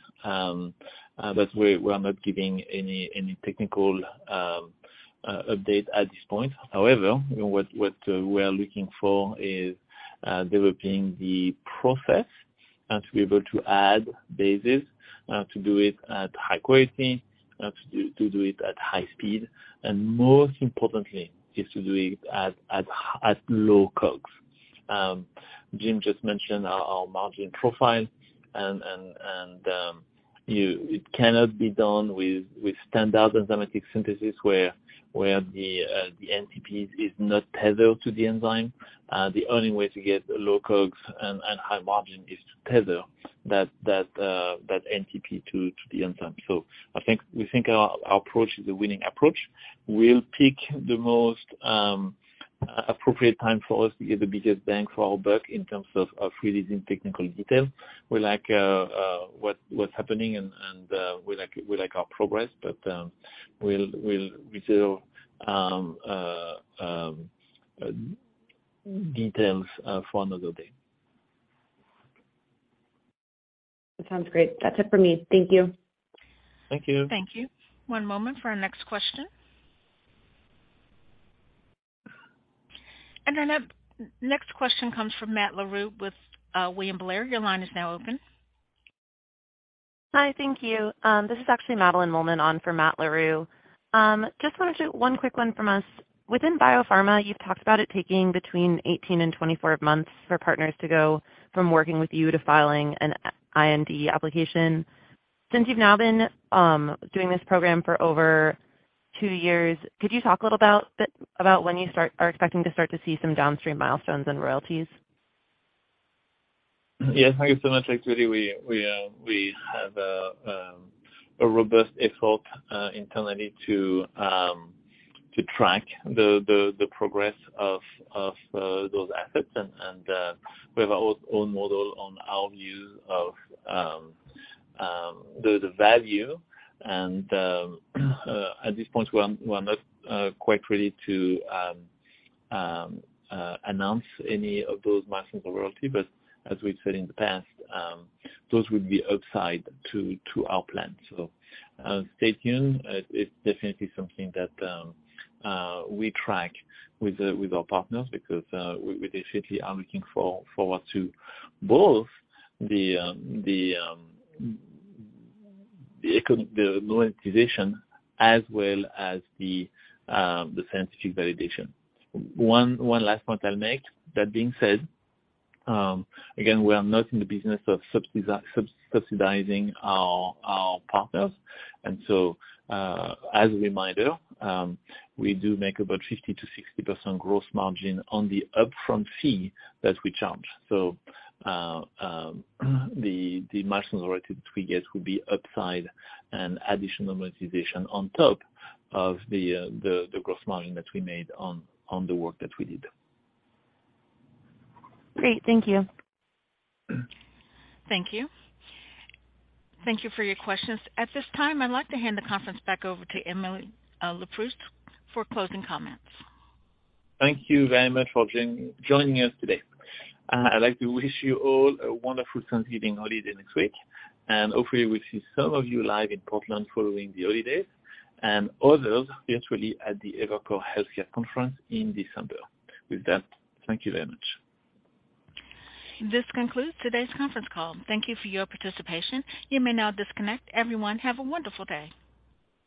We are not giving any technical update at this point. However, what we are looking for is developing the process and to be able to add bases, to do it at high quality, to do it at high speed, and most importantly is to do it at low COGS. Jim just mentioned our margin profile. It cannot be done with standard enzymatic synthesis where the NTPs is not tethered to the enzyme. The only way to get low COGS and high margin is to tether that NTP to the enzyme. We think our approach is a winning approach. We'll pick the most appropriate time for us to get the biggest bang for our buck in terms of releasing technical details. We like what's happening and we like our progress, but we'll reserve details for another day. That sounds great. That's it for me. Thank you. Thank you. Thank you. One moment for our next question. Our next question comes from Matt Larew with William Blair, your line is now open. Hi, thank you. This is actually Madeline Mollman on for Matt Larew. One quick one from us. Within biopharma, you've talked about it taking between 18 and 24 months for partners to go from working with you to filing an IND application. Since you've now been doing this program for over two years, could you talk a little about when you are expecting to start to see some downstream milestones and royalties? Yes. Thank you so much. Actually, we have a robust effort internally to track the progress of those assets. We have our own model on our view of the value. At this point, we're not quite ready to announce any of those milestones or royalty, but as we've said in the past, those would be upside to our plan. Stay tuned. It's definitely something that we track with our partners because we definitely are looking forward to both the monetization as well as the scientific validation. One last point I'll make. That being said, again, we are not in the business of subsidizing our partners. As a reminder, we do make about 50%-60% gross margin on the upfront fee that we charge. The milestones related we get will be upside and additional monetization on top of the gross margin that we made on the work that we did. Great. Thank you. Thank you. Thank you for your questions. At this time, I'd like to hand the conference back over to Emily Leproust for closing comments. Thank you very much for joining us today. I'd like to wish you all a wonderful Thanksgiving holiday next week, and hopefully we'll see some of you live in Portland following the holidays and others virtually at the Evercore Healthcare Conference in December. With that, thank you very much. This concludes today's conference call. Thank you for your participation. You may now disconnect. Everyone, have a wonderful day.